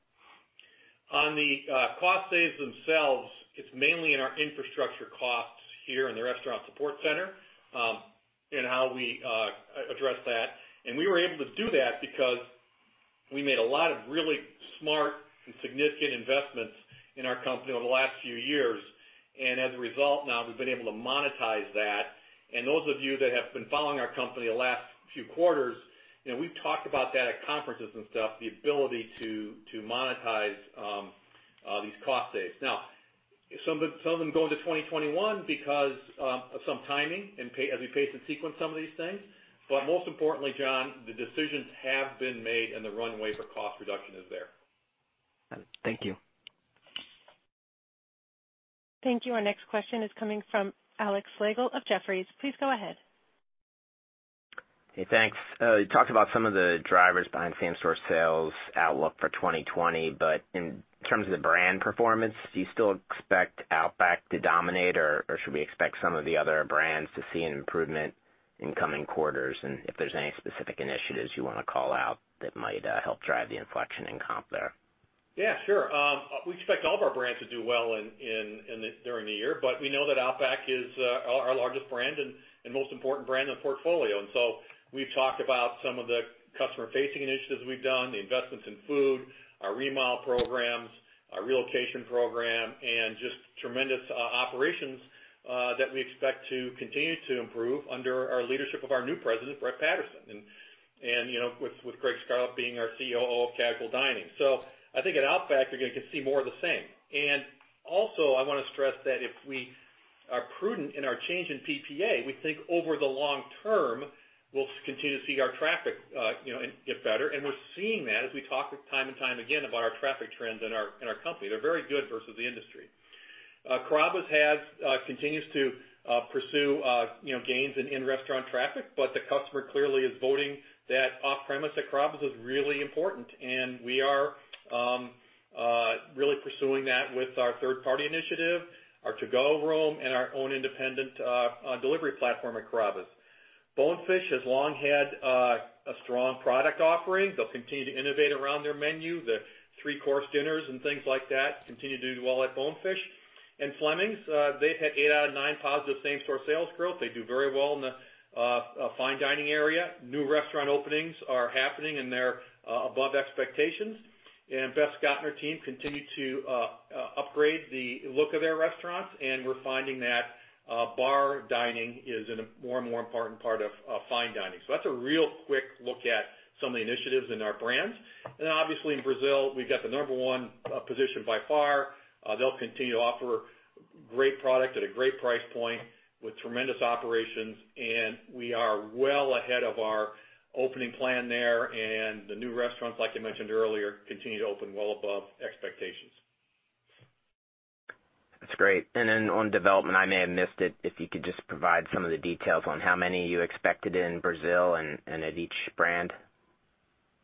On the cost saves themselves, it's mainly in our infrastructure costs here in the restaurant support center in how we address that. We were able to do that because we made a lot of really smart and significant investments in our company over the last few years. As a result now, we've been able to monetize that. Those of you that have been following our company the last few quarters, we've talked about that at conferences and stuff, the ability to monetize these cost saves. Now, some of them go into 2021 because of some timing as we pace and sequence some of these things. Most importantly, John, the decisions have been made and the runway for cost reduction is there. Got it. Thank you. Thank you. Our next question is coming from Alex Slagle of Jefferies. Please go ahead. Hey, thanks. You talked about some of the drivers behind same-store sales outlook for 2020, but in terms of the brand performance, do you still expect Outback to dominate, or should we expect some of the other brands to see an improvement in coming quarters? If there's any specific initiatives you want to call out that might help drive the inflection in comp there. Yeah, sure. We expect all of our brands to do well during the year. We know that Outback is our largest brand and most important brand in the portfolio. We've talked about some of the customer-facing initiatives we've done, the investments in food, our remodel programs, our relocation program, and just tremendous operations that we expect to continue to improve under our leadership of our new president, Brett Patterson, and with Gregg Scarlett being our COO of Casual Dining. I think at Outback, you're going to see more of the same. Also, I want to stress that if we are prudent in our change in PPA, we think over the long term, we'll continue to see our traffic get better. We're seeing that as we talk time and time again about our traffic trends in our company. They're very good versus the industry. Carrabba's continues to pursue gains in restaurant traffic, but the customer clearly is voting that off-premise at Carrabba's is really important, and we are really pursuing that with our third-party initiative, our to-go room, and our own independent delivery platform at Carrabba's. Bonefish has long had a strong product offering. They'll continue to innovate around their menu. The three-course dinners and things like that continue to do well at Bonefish. Fleming's, they've had eight out of nine positive same-store sales growth. They do very well in the fine dining area. New restaurant openings are happening, and they're above expectations. Beth Scott and her team continue to upgrade the look of their restaurants, and we're finding that bar dining is a more and more important part of fine dining. That's a real quick look at some of the initiatives in our brands. Obviously, in Brazil, we've got the number one position by far. They'll continue to offer great product at a great price point with tremendous operations, and we are well ahead of our opening plan there, and the new restaurants, like I mentioned earlier, continue to open well above expectations. That's great. On development, I may have missed it. If you could just provide some of the details on how many you expected in Brazil and at each brand.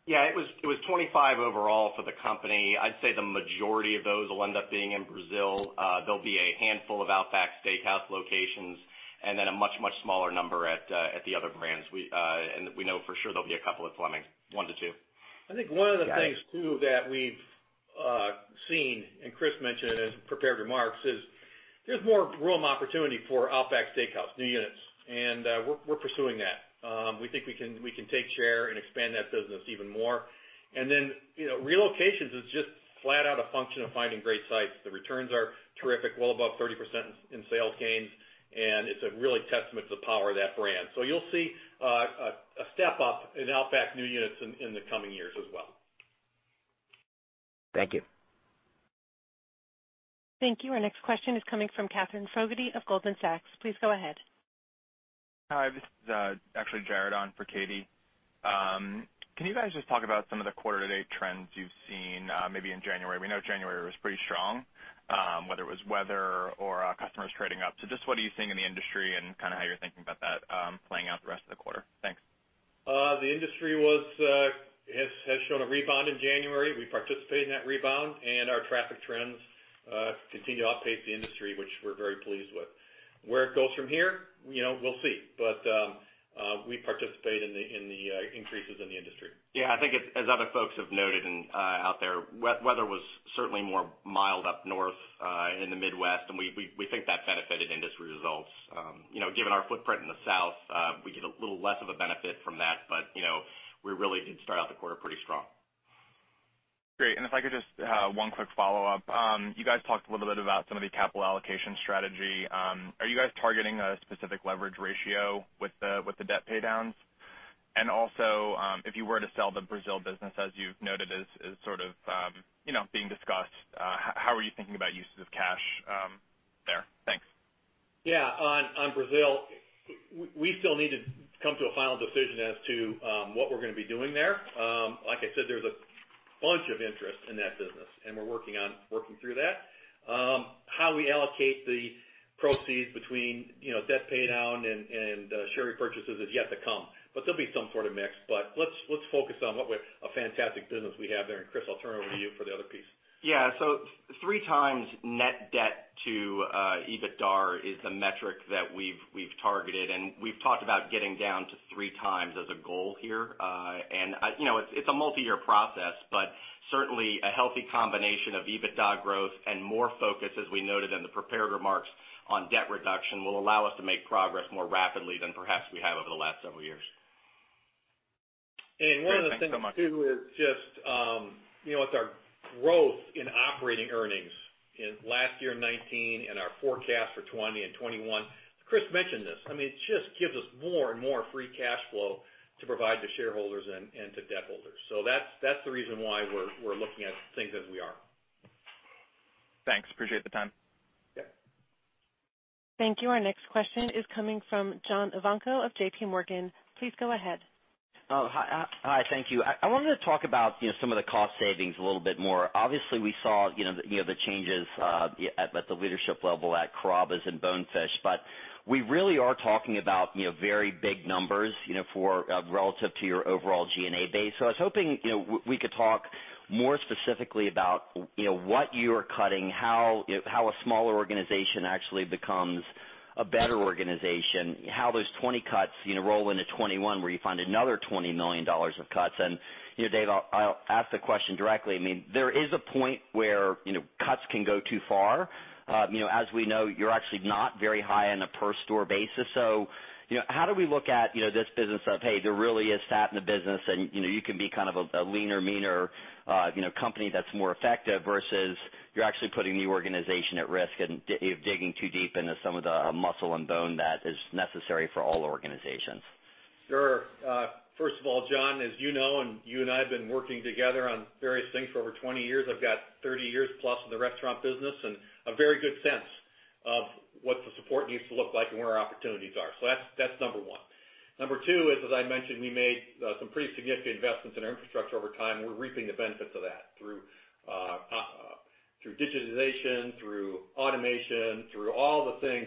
Yeah. It was 25 overall for the company. I'd say the majority of those will end up being in Brazil. There'll be a handful of Outback Steakhouse locations and then a much, much smaller number at the other brands. We know for sure there'll be a couple at Fleming's, one to two. I think one of the things too that we've seen, and Chris mentioned it in his prepared remarks, is there's more room opportunity for Outback Steakhouse, new units, and we're pursuing that. We think we can take share and expand that business even more. Relocations is just flat out a function of finding great sites. The returns are terrific, well above 30% in sales gains, and it's a really testament to the power of that brand. You'll see a step-up in Outback new units in the coming years as well. Thank you. Thank you. Our next question is coming from Katherine Fogerty of Goldman Sachs. Please go ahead. Hi, this is actually Jared on for Katie. Can you guys just talk about some of the quarter-to-date trends you've seen maybe in January? We know January was pretty strong, whether it was weather or customers trading up. Just what are you seeing in the industry and how you're thinking about that playing out the rest of the quarter? Thanks. The industry has shown a rebound in January. We participated in that rebound, and our traffic trends continue to outpace the industry, which we're very pleased with. Where it goes from here, we'll see. We participate in the increases in the industry. Yeah, I think as other folks have noted out there, weather was certainly more mild up north in the Midwest. We think that benefited industry results. Given our footprint in the South, we get a little less of a benefit from that. We really did start out the quarter pretty strong. Great. If I could just, one quick follow-up. You guys talked a little bit about some of the capital allocation strategy. Are you guys targeting a specific leverage ratio with the debt paydowns? Also, if you were to sell the Brazil business, as you've noted is being discussed, how are you thinking about uses of cash there? Thanks. Yeah. On Brazil, we still need to come to a final decision as to what we're going to be doing there. Like I said, there's a bunch of interest in that business, and we're working through that. How we allocate the proceeds between debt paydown and share repurchases is yet to come. There'll be some sort of mix. Let's focus on what a fantastic business we have there. Chris, I'll turn it over to you for the other piece. 3x net debt to EBITDA is the metric that we've targeted, and we've talked about getting down to 3x as a goal here. It's a multi-year process, but certainly a healthy combination of EBITDA growth and more focus, as we noted in the prepared remarks on debt reduction, will allow us to make progress more rapidly than perhaps we have over the last several years. Great. Thanks so much. One of the things too is just with our growth in operating earnings in last year, 2019, and our forecast for 2020 and 2021. Chris mentioned this. It just gives us more and more free cash flow to provide to shareholders and to debt holders. That's the reason why we're looking at things as we are. Thanks. Appreciate the time. Yeah. Thank you. Our next question is coming from John Ivankoe of JPMorgan. Please go ahead. Hi, thank you. I wanted to talk about some of the cost savings a little bit more. Obviously, we saw the changes at the leadership level at Carrabba's and Bonefish. We really are talking about very big numbers relative to your overall G&A base. I was hoping we could talk more specifically about what you're cutting, how a smaller organization actually becomes a better organization, how those 20 cuts roll into 2021, where you find another $20 million of cuts. Dave, I'll ask the question directly. There is a point where cuts can go too far. As we know, you're actually not very high on a per store basis. How do we look at this business of, hey, there really as fat in the business and you can be kind of a leaner, meaner company that's more effective, versus you're actually putting the organization at risk and digging too deep into some of the muscle and bone that is necessary for all organizations. Sure. First of all, John, as you know, you and I have been working together on various things for over 20 years. I've got 30 years plus in the restaurant business, a very good sense of what the support needs to look like and where our opportunities are. That's number one. Number two is, as I mentioned, we made some pretty significant investments in our infrastructure over time, and we're reaping the benefits of that through digitization, through automation, through all the things.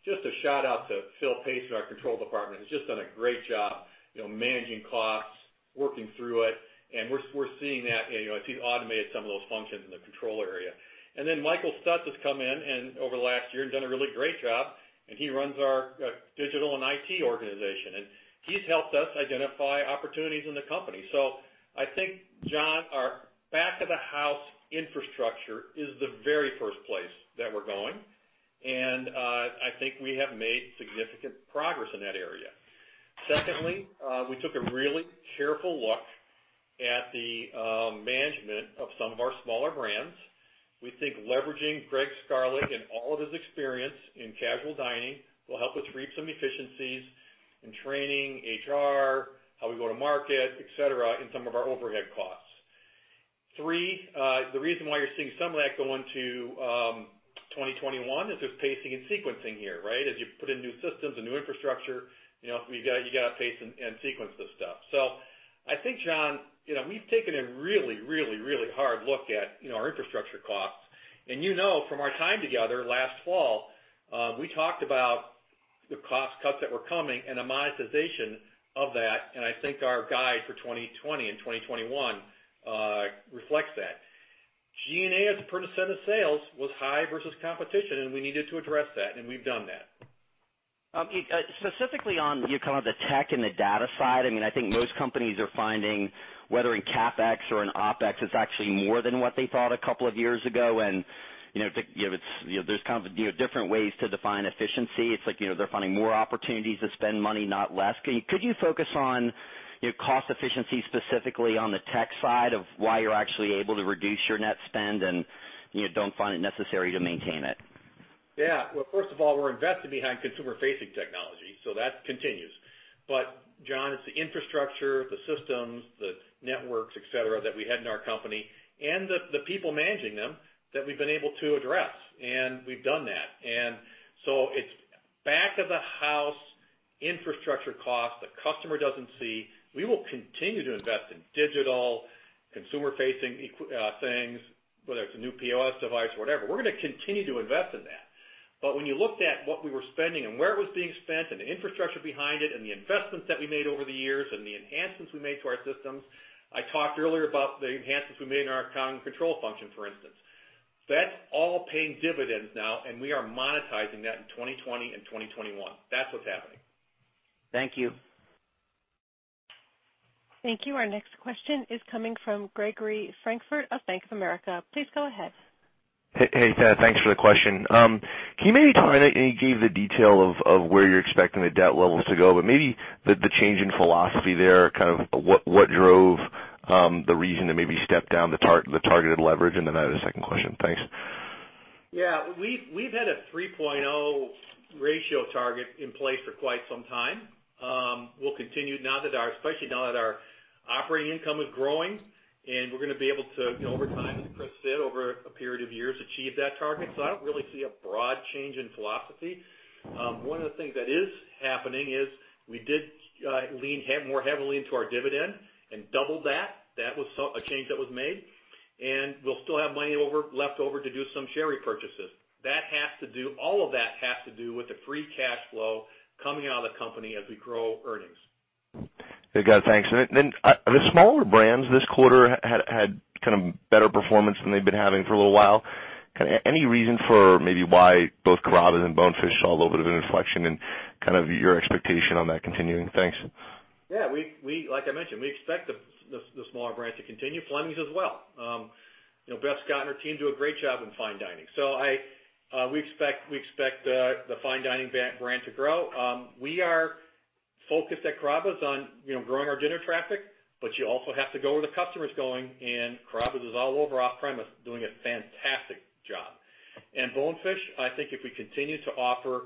Just a shout-out to Philip Pace in our control department. He's just done a great job managing costs, working through it, and we're seeing that as he automated some of those functions in the control area. Michael Stutts has come in and over the last year and done a really great job, and he runs our digital and IT organization. He's helped us identify opportunities in the company. I think, John, our back of the house infrastructure is the very first place that we're going, and I think we have made significant progress in that area. Secondly, we took a really careful look at the management of some of our smaller brands. We think leveraging Gregg Scarlett and all of his experience in casual dining will help us reap some efficiencies in training, HR, how we go to market, et cetera, in some of our overhead costs. Three, the reason why you're seeing some of that go into 2021 is there's pacing and sequencing here, right? As you put in new systems and new infrastructure, you got to pace and sequence this stuff. I think, John, we've taken a really hard look at our infrastructure costs. You know, from our time together last fall, we talked about the cost cuts that were coming and the monetization of that, and I think our guide for 2020 and 2021 reflects that. G&A, as a percent of sales, was high versus competition, and we needed to address that, and we've done that. Specifically on the tech and the data side, I think most companies are finding, whether in CapEx or in OpEx, it's actually more than what they thought a couple of years ago, and there's kind of different ways to define efficiency. It's like they're finding more opportunities to spend money, not less. Could you focus on cost efficiency, specifically on the tech side of why you're actually able to reduce your net spend and you don't find it necessary to maintain it? Well, first of all, we're invested behind consumer-facing technology. That continues. John, it's the infrastructure, the systems, the networks, et cetera, that we had in our company and the people managing them that we've been able to address. We've done that. It's back of the house infrastructure costs the customer doesn't see. We will continue to invest in digital, consumer-facing things, whether it's a new POS device or whatever. We're going to continue to invest in that. When you looked at what we were spending and where it was being spent and the infrastructure behind it and the investments that we made over the years and the enhancements we made to our systems, I talked earlier about the enhancements we made in our account control function, for instance. That's all paying dividends now. We are monetizing that in 2020 and 2021. That's what's happening. Thank you. Thank you. Our next question is coming from Gregory Francfort of Bank of America. Please go ahead. Hey, David, thanks for the question. Can you maybe I know you gave the detail of where you're expecting the debt levels to go, but maybe the change in philosophy there, kind of what drove the reason to maybe step down the targeted leverage? Then I had a second question. Thanks. Yeah. We've had a 3.0 ratio target in place for quite some time. We'll continue, especially now that our operating income is growing, and we're going to be able to, over time, as Chris said, over a period of years, achieve that target. I don't really see a broad change in philosophy. One of the things that is happening is we did lean more heavily into our dividend and doubled that. That was a change that was made, and we'll still have money left over to do some share repurchases. All of that has to do with the free cash flow coming out of the company as we grow earnings. Good. Thanks. The smaller brands this quarter had kind of better performance than they've been having for a little while. Any reason for maybe why both Carrabba's and Bonefish saw a little bit of an inflection, and kind of your expectation on that continuing? Thanks. Yeah. Like I mentioned, we expect the smaller brands to continue. Fleming's as well. Beth Scott and her team do a great job in fine dining. We expect the fine dining brand to grow. We are focused at Carrabba's on growing our dinner traffic, but you also have to go where the customer's going, and Carrabba's is all over off-premise doing a fantastic job. Bonefish, I think if we continue to offer.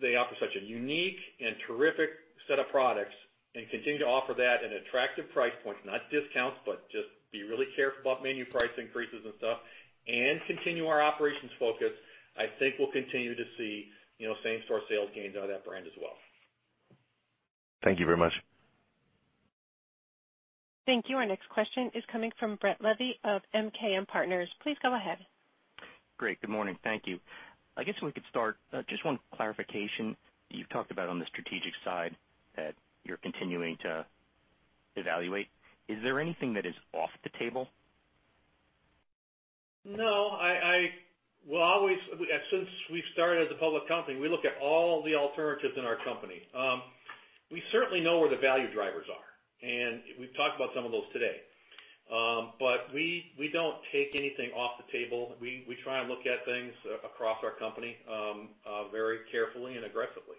They offer such a unique and terrific set of products and continue to offer that at attractive price points, not discounts, but just be really careful about menu price increases and stuff, and continue our operations focus, I think we'll continue to see same-store sales gains out of that brand as well. Thank you very much. Thank you. Our next question is coming from Brett Levy of MKM Partners. Please go ahead. Great. Good morning. Thank you. I guess we could start, just one clarification. You've talked about on the strategic side that you're continuing to evaluate. Is there anything that is off the table? No. Since we've started as a public company, we look at all the alternatives in our company. We certainly know where the value drivers are, and we've talked about some of those today. We don't take anything off the table. We try and look at things across our company very carefully and aggressively.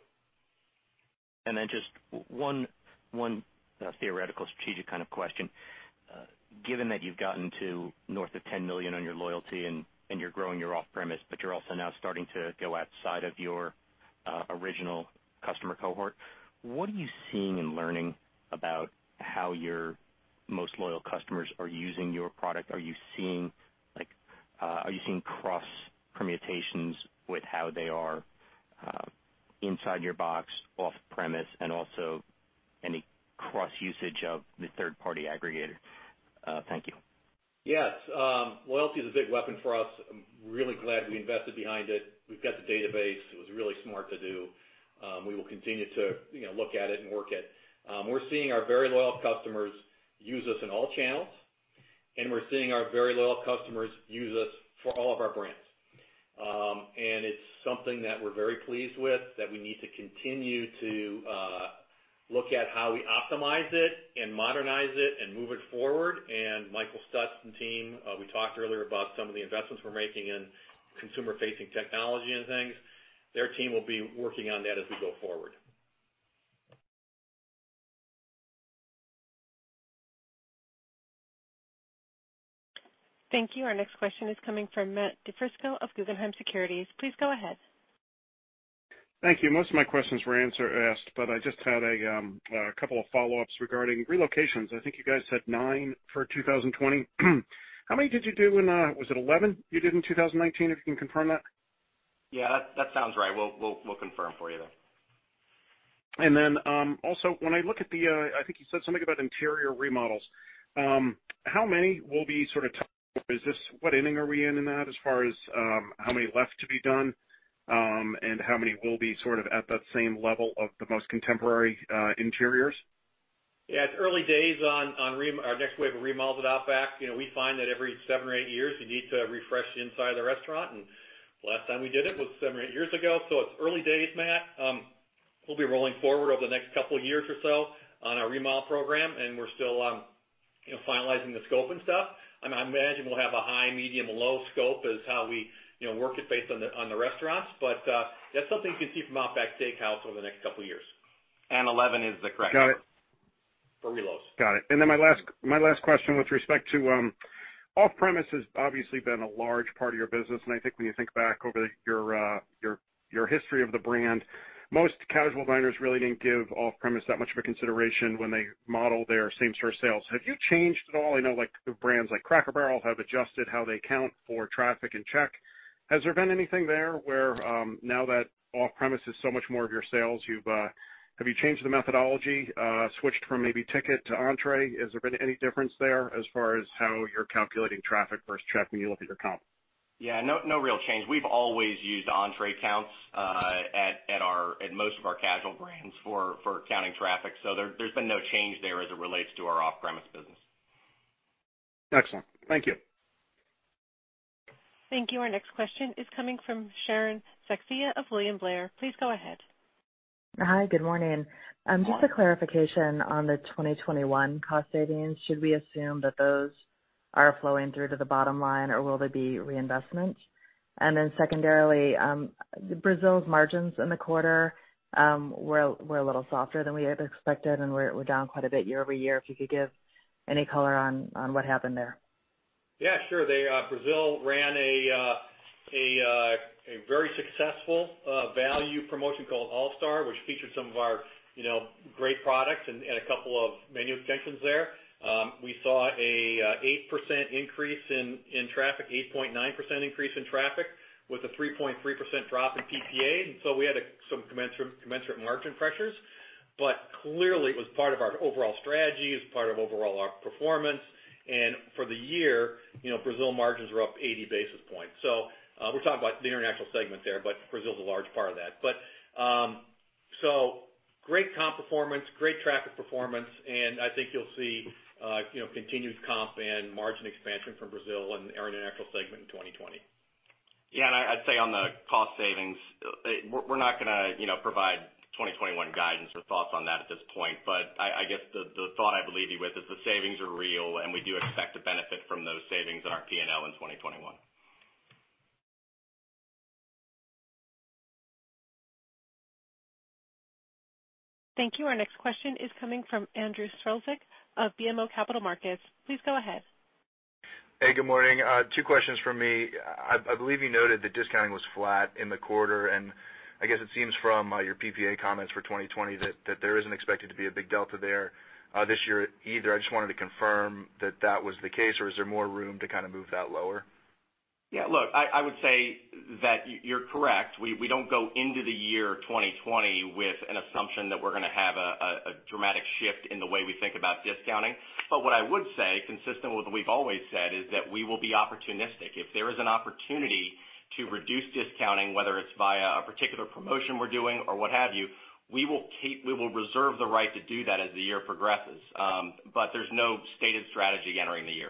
Just one theoretical strategic kind of question. Given that you've gotten to north of $10 million on your loyalty and you're growing your off-premise, but you're also now starting to go outside of your original customer cohort, what are you seeing and learning about how your most loyal customers are using your product? Are you seeing cross permutations with how they are inside your box, off-premise, and also any cross usage of the third-party aggregator? Thank you. Yes. Loyalty is a big weapon for us. I'm really glad we invested behind it. We've got the database. It was really smart to do. We will continue to look at it and work it. We're seeing our very loyal customers use us in all channels, and we're seeing our very loyal customers use us for all of our brands. It's something that we're very pleased with that we need to continue to look at how we optimize it and modernize it and move it forward. Michael Stutts and team, we talked earlier about some of the investments we're making in consumer-facing technology and things. Their team will be working on that as we go forward. Thank you. Our next question is coming from Matthew DiFrisco of Guggenheim Securities. Please go ahead. Thank you. Most of my questions were asked. I just had a couple of follow-ups regarding relocations. I think you guys had nine for 2020. Was it 11 you did in 2019, if you can confirm that? Yeah, that sounds right. We'll confirm for you, though. Also, when I look at the, I think you said something about interior remodels. What inning are we in on that as far as how many left to be done, and how many will be sort of at that same level of the most contemporary interiors? Yeah, it's early days on our next wave of remodels at Outback. We find that every seven or eight years, you need to refresh the inside of the restaurant, and last time we did it was seven or eight years ago. It's early days, Matt. We'll be rolling forward over the next couple of years or so on our remodel program, and we're still finalizing the scope and stuff. I imagine we'll have a high, medium, low scope is how we work it based on the restaurants. That's something you can see from Outback Steakhouse over the next couple of years. 11 is the. Got it. for relos. Got it. My last question with respect to off-premise has obviously been a large part of your business, and I think when you think back over your history of the brand, most casual diners really didn't give off-premise that much of a consideration when they model their same-store sales. Have you changed at all? I know brands like Cracker Barrel have adjusted how they account for traffic and check. Has there been anything there where now that off-premise is so much more of your sales, have you changed the methodology, switched from maybe ticket to entree? Has there been any difference there as far as how you're calculating traffic versus check when you look at your comp? Yeah, no real change. We've always used entree counts at most of our casual brands for counting traffic, so there's been no change there as it relates to our off-premise business. Excellent. Thank you. Thank you. Our next question is coming from Sharon Zackfia of William Blair. Please go ahead. Hi, good morning. Good morning. Just a clarification on the 2021 cost savings. Should we assume that those are flowing through to the bottom line, or will there be reinvestment? Secondarily, Brazil's margins in the quarter were a little softer than we had expected and were down quite a bit year-over-year. If you could give any color on what happened there. Yeah, sure. Brazil ran a very successful value promotion called All Star, which featured some of our great products and a couple of menu extensions there. We saw an 8% increase in traffic, 8.9% increase in traffic with a 3.3% drop in PPA. We had some commensurate margin pressures, but clearly it was part of our overall strategy, it's part of overall op performance. For the year, Brazil margins were up 80 basis points. We're talking about the international segment there, but Brazil is a large part of that. Great comp performance, great traffic performance, and I think you'll see continued comp and margin expansion from Brazil and our international segment in 2020. Yeah. I'd say on the cost savings, we're not going to provide 2021 guidance or thoughts on that at this point. I guess the thought I'd leave you with is the savings are real, and we do expect to benefit from those savings in our P&L in 2021. Thank you. Our next question is coming from Andrew Strelzik of BMO Capital Markets. Please go ahead. Hey, good morning. Two questions from me. I believe you noted that discounting was flat in the quarter, and I guess it seems from your PPA comments for 2020 that there isn't expected to be a big delta there this year either. I just wanted to confirm that that was the case, or is there more room to kind of move that lower? Yeah, look, I would say that you're correct. We don't go into the year 2020 with an assumption that we're going to have a dramatic shift in the way we think about discounting. What I would say, consistent with what we've always said, is that we will be opportunistic. If there is an opportunity to reduce discounting, whether it's via a particular promotion we're doing or what have you, we will reserve the right to do that as the year progresses. There's no stated strategy entering the year.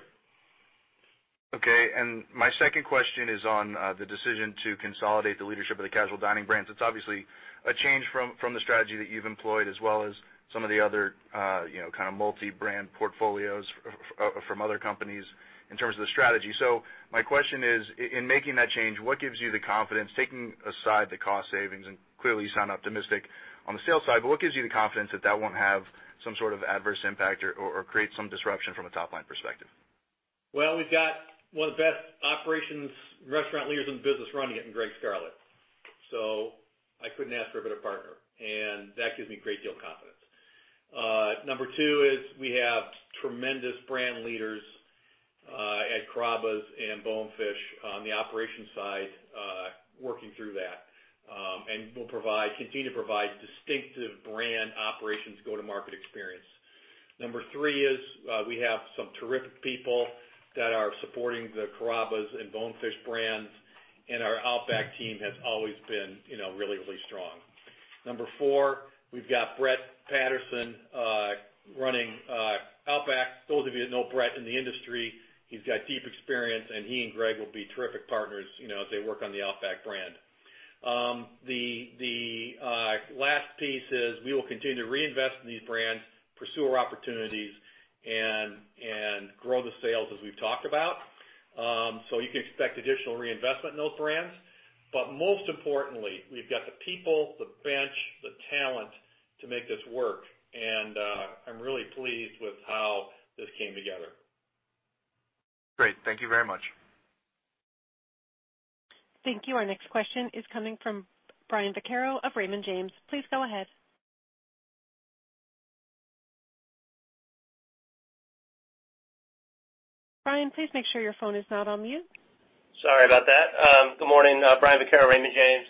Okay. My second question is on the decision to consolidate the leadership of the casual dining brands. It's obviously a change from the strategy that you've employed, as well as some of the other kind of multi-brand portfolios from other companies in terms of the strategy. My question is, in making that change, what gives you the confidence, taking aside the cost savings, and clearly you sound optimistic on the sales side, but what gives you the confidence that that won't have some sort of adverse impact or create some disruption from a top-line perspective? Well, we've got one of the best operations restaurant leaders in the business running it in Gregg Scarlett. I couldn't ask for a better partner, and that gives me great deal of confidence. Number two is we have tremendous brand leaders, at Carrabba's and Bonefish on the operations side, working through that. We'll continue to provide distinctive brand operations go-to-market experience. Number three is, we have some terrific people that are supporting the Carrabba's and Bonefish brands, and our Outback team has always been really strong. Number four, we've got Brett Patterson running Outback. Those of you that know Brett in the industry, he's got deep experience, and he and Gregg will be terrific partners as they work on the Outback brand. The last piece is we will continue to reinvest in these brands, pursue our opportunities, and grow the sales as we've talked about. You can expect additional reinvestment in those brands. Most importantly, we've got the people, the bench, the talent to make this work. I'm really pleased with how this came together. Great. Thank you very much. Thank you. Our next question is coming from Brian Vaccaro of Raymond James. Please go ahead. Brian, please make sure your phone is not on mute. Sorry about that. Good morning. Brian Vaccaro, Raymond James.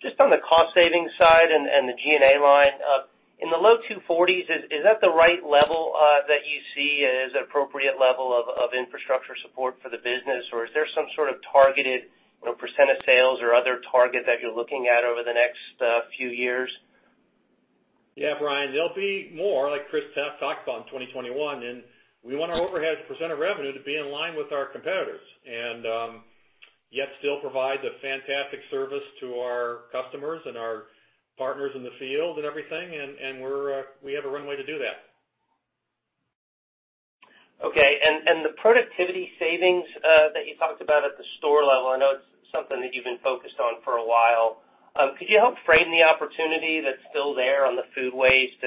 Just on the cost savings side and the G&A line, in the low $240s, is that the right level that you see as appropriate level of infrastructure support for the business, or is there some sort of targeted percent of sales or other target that you're looking at over the next few years? Yeah, Brian, there'll be more, like Chris talked about in 2021. We want our overhead percent of revenue to be in line with our competitors, and yet still provide the fantastic service to our customers and our partners in the field and everything. We have a runway to do that. Okay. The productivity savings that you talked about at the store level, I know it's something that you've been focused on for a while. Could you help frame the opportunity that's still there on the food waste?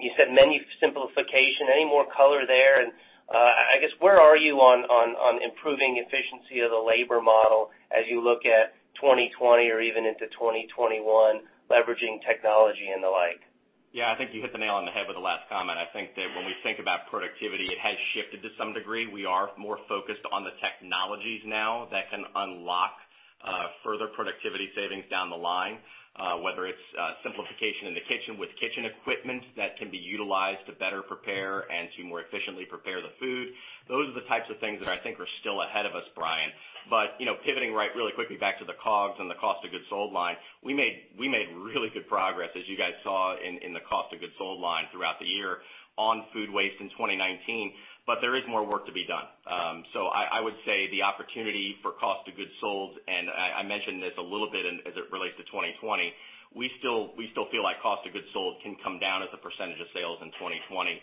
You said menu simplification. Any more color there? I guess, where are you on improving efficiency of the labor model as you look at 2020 or even into 2021, leveraging technology and the like? I think you hit the nail on the head with the last comment. I think that when we think about productivity, it has shifted to some degree. We are more focused on the technologies now that can unlock further productivity savings down the line, whether it's simplification in the kitchen with kitchen equipment that can be utilized to better prepare and to more efficiently prepare the food. Those are the types of things that I think are still ahead of us, Brian. Pivoting right really quickly back to the COGS and the cost of goods sold line, we made really good progress, as you guys saw in the cost of goods sold line throughout the year on food waste in 2019, but there is more work to be done. I would say the opportunity for cost of goods sold, and I mentioned this a little bit as it relates to 2020, we still feel like cost of goods sold can come down as a percent of sales in 2020,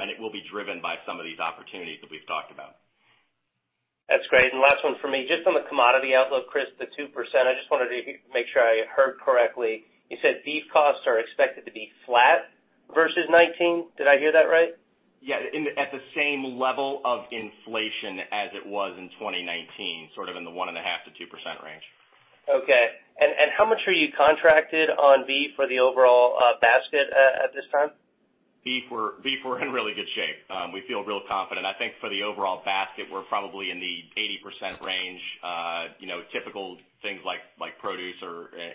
and it will be driven by some of these opportunities that we've talked about. That's great. Last one from me, just on the commodity outlook, Chris, the 2%, I just wanted to make sure I heard correctly. You said beef costs are expected to be flat versus 2019. Did I hear that right? Yeah. At the same level of inflation as it was in 2019, sort of in the 1.5%-2% range. Okay. How much are you contracted on beef for the overall basket at this time? Beef, we're in really good shape. We feel real confident. I think for the overall basket, we're probably in the 80% range. Typical things like produce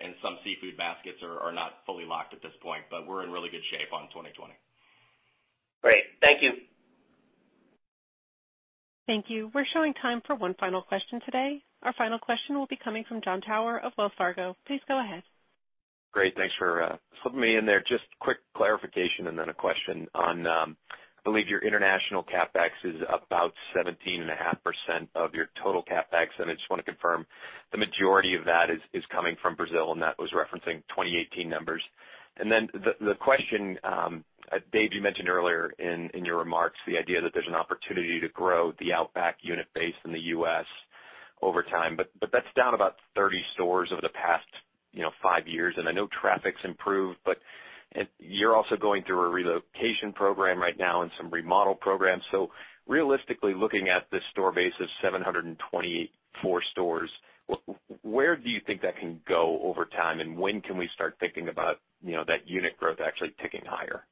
and some seafood baskets are not fully locked at this point, but we're in really good shape on 2020. Great. Thank you. Thank you. We're showing time for one final question today. Our final question will be coming from Jon Tower of Wells Fargo. Please go ahead. Great. Thanks for slipping me in there. Just quick clarification and then a question on, I believe your international CapEx is about 17.5% of your total CapEx, and I just want to confirm the majority of that is coming from Brazil, and that was referencing 2018 numbers. The question, Dave, you mentioned earlier in your remarks the idea that there's an opportunity to grow the Outback unit base in the U.S. over time, but that's down about 30 stores over the past five years, and I know traffic's improved, but you're also going through a relocation program right now and some remodel programs. Realistically, looking at this store base of 724 stores, where do you think that can go over time, and when can we start thinking about that unit growth actually ticking higher?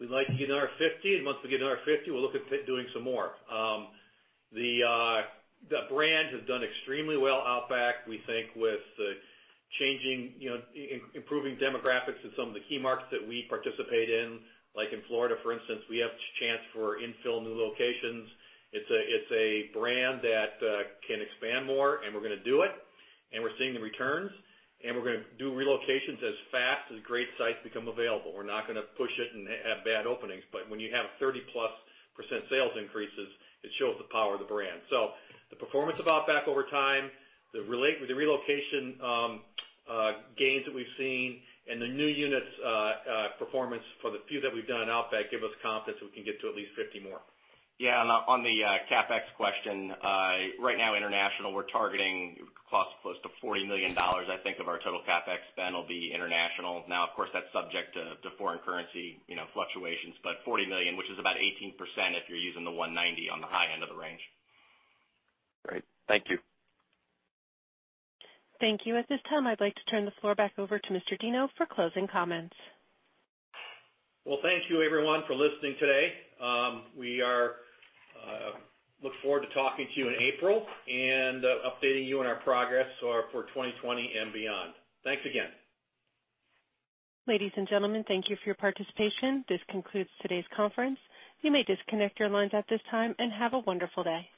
We'd like to get to our 50, and once we get to our 50, we'll look at doing some more. The brand has done extremely well, Outback, we think with the changing, improving demographics in some of the key markets that we participate in, like in Florida, for instance, we have chance for infill new locations. It's a brand that can expand more, and we're going to do it, and we're seeing the returns, and we're going to do relocations as fast as great sites become available. We're not going to push it and have bad openings. When you have 30+% sales increases, it shows the power of the brand. The performance of Outback over time, the relocation gains that we've seen, and the new units performance for the few that we've done in Outback give us confidence we can get to at least 50 more. Yeah, on the CapEx question, right now international, we're targeting cost close to $40 million, I think, of our total CapEx spend will be international. Now, of course, that's subject to foreign currency fluctuations, but $40 million, which is about 18% if you're using the 190 on the high end of the range. Great. Thank you. Thank you. At this time, I'd like to turn the floor back over to Mr. Deno for closing comments. Well, thank you everyone for listening today. We look forward to talking to you in April and updating you on our progress for 2020 and beyond. Thanks again. Ladies and gentlemen, thank you for your participation. This concludes today's conference. You may disconnect your lines at this time, and have a wonderful day.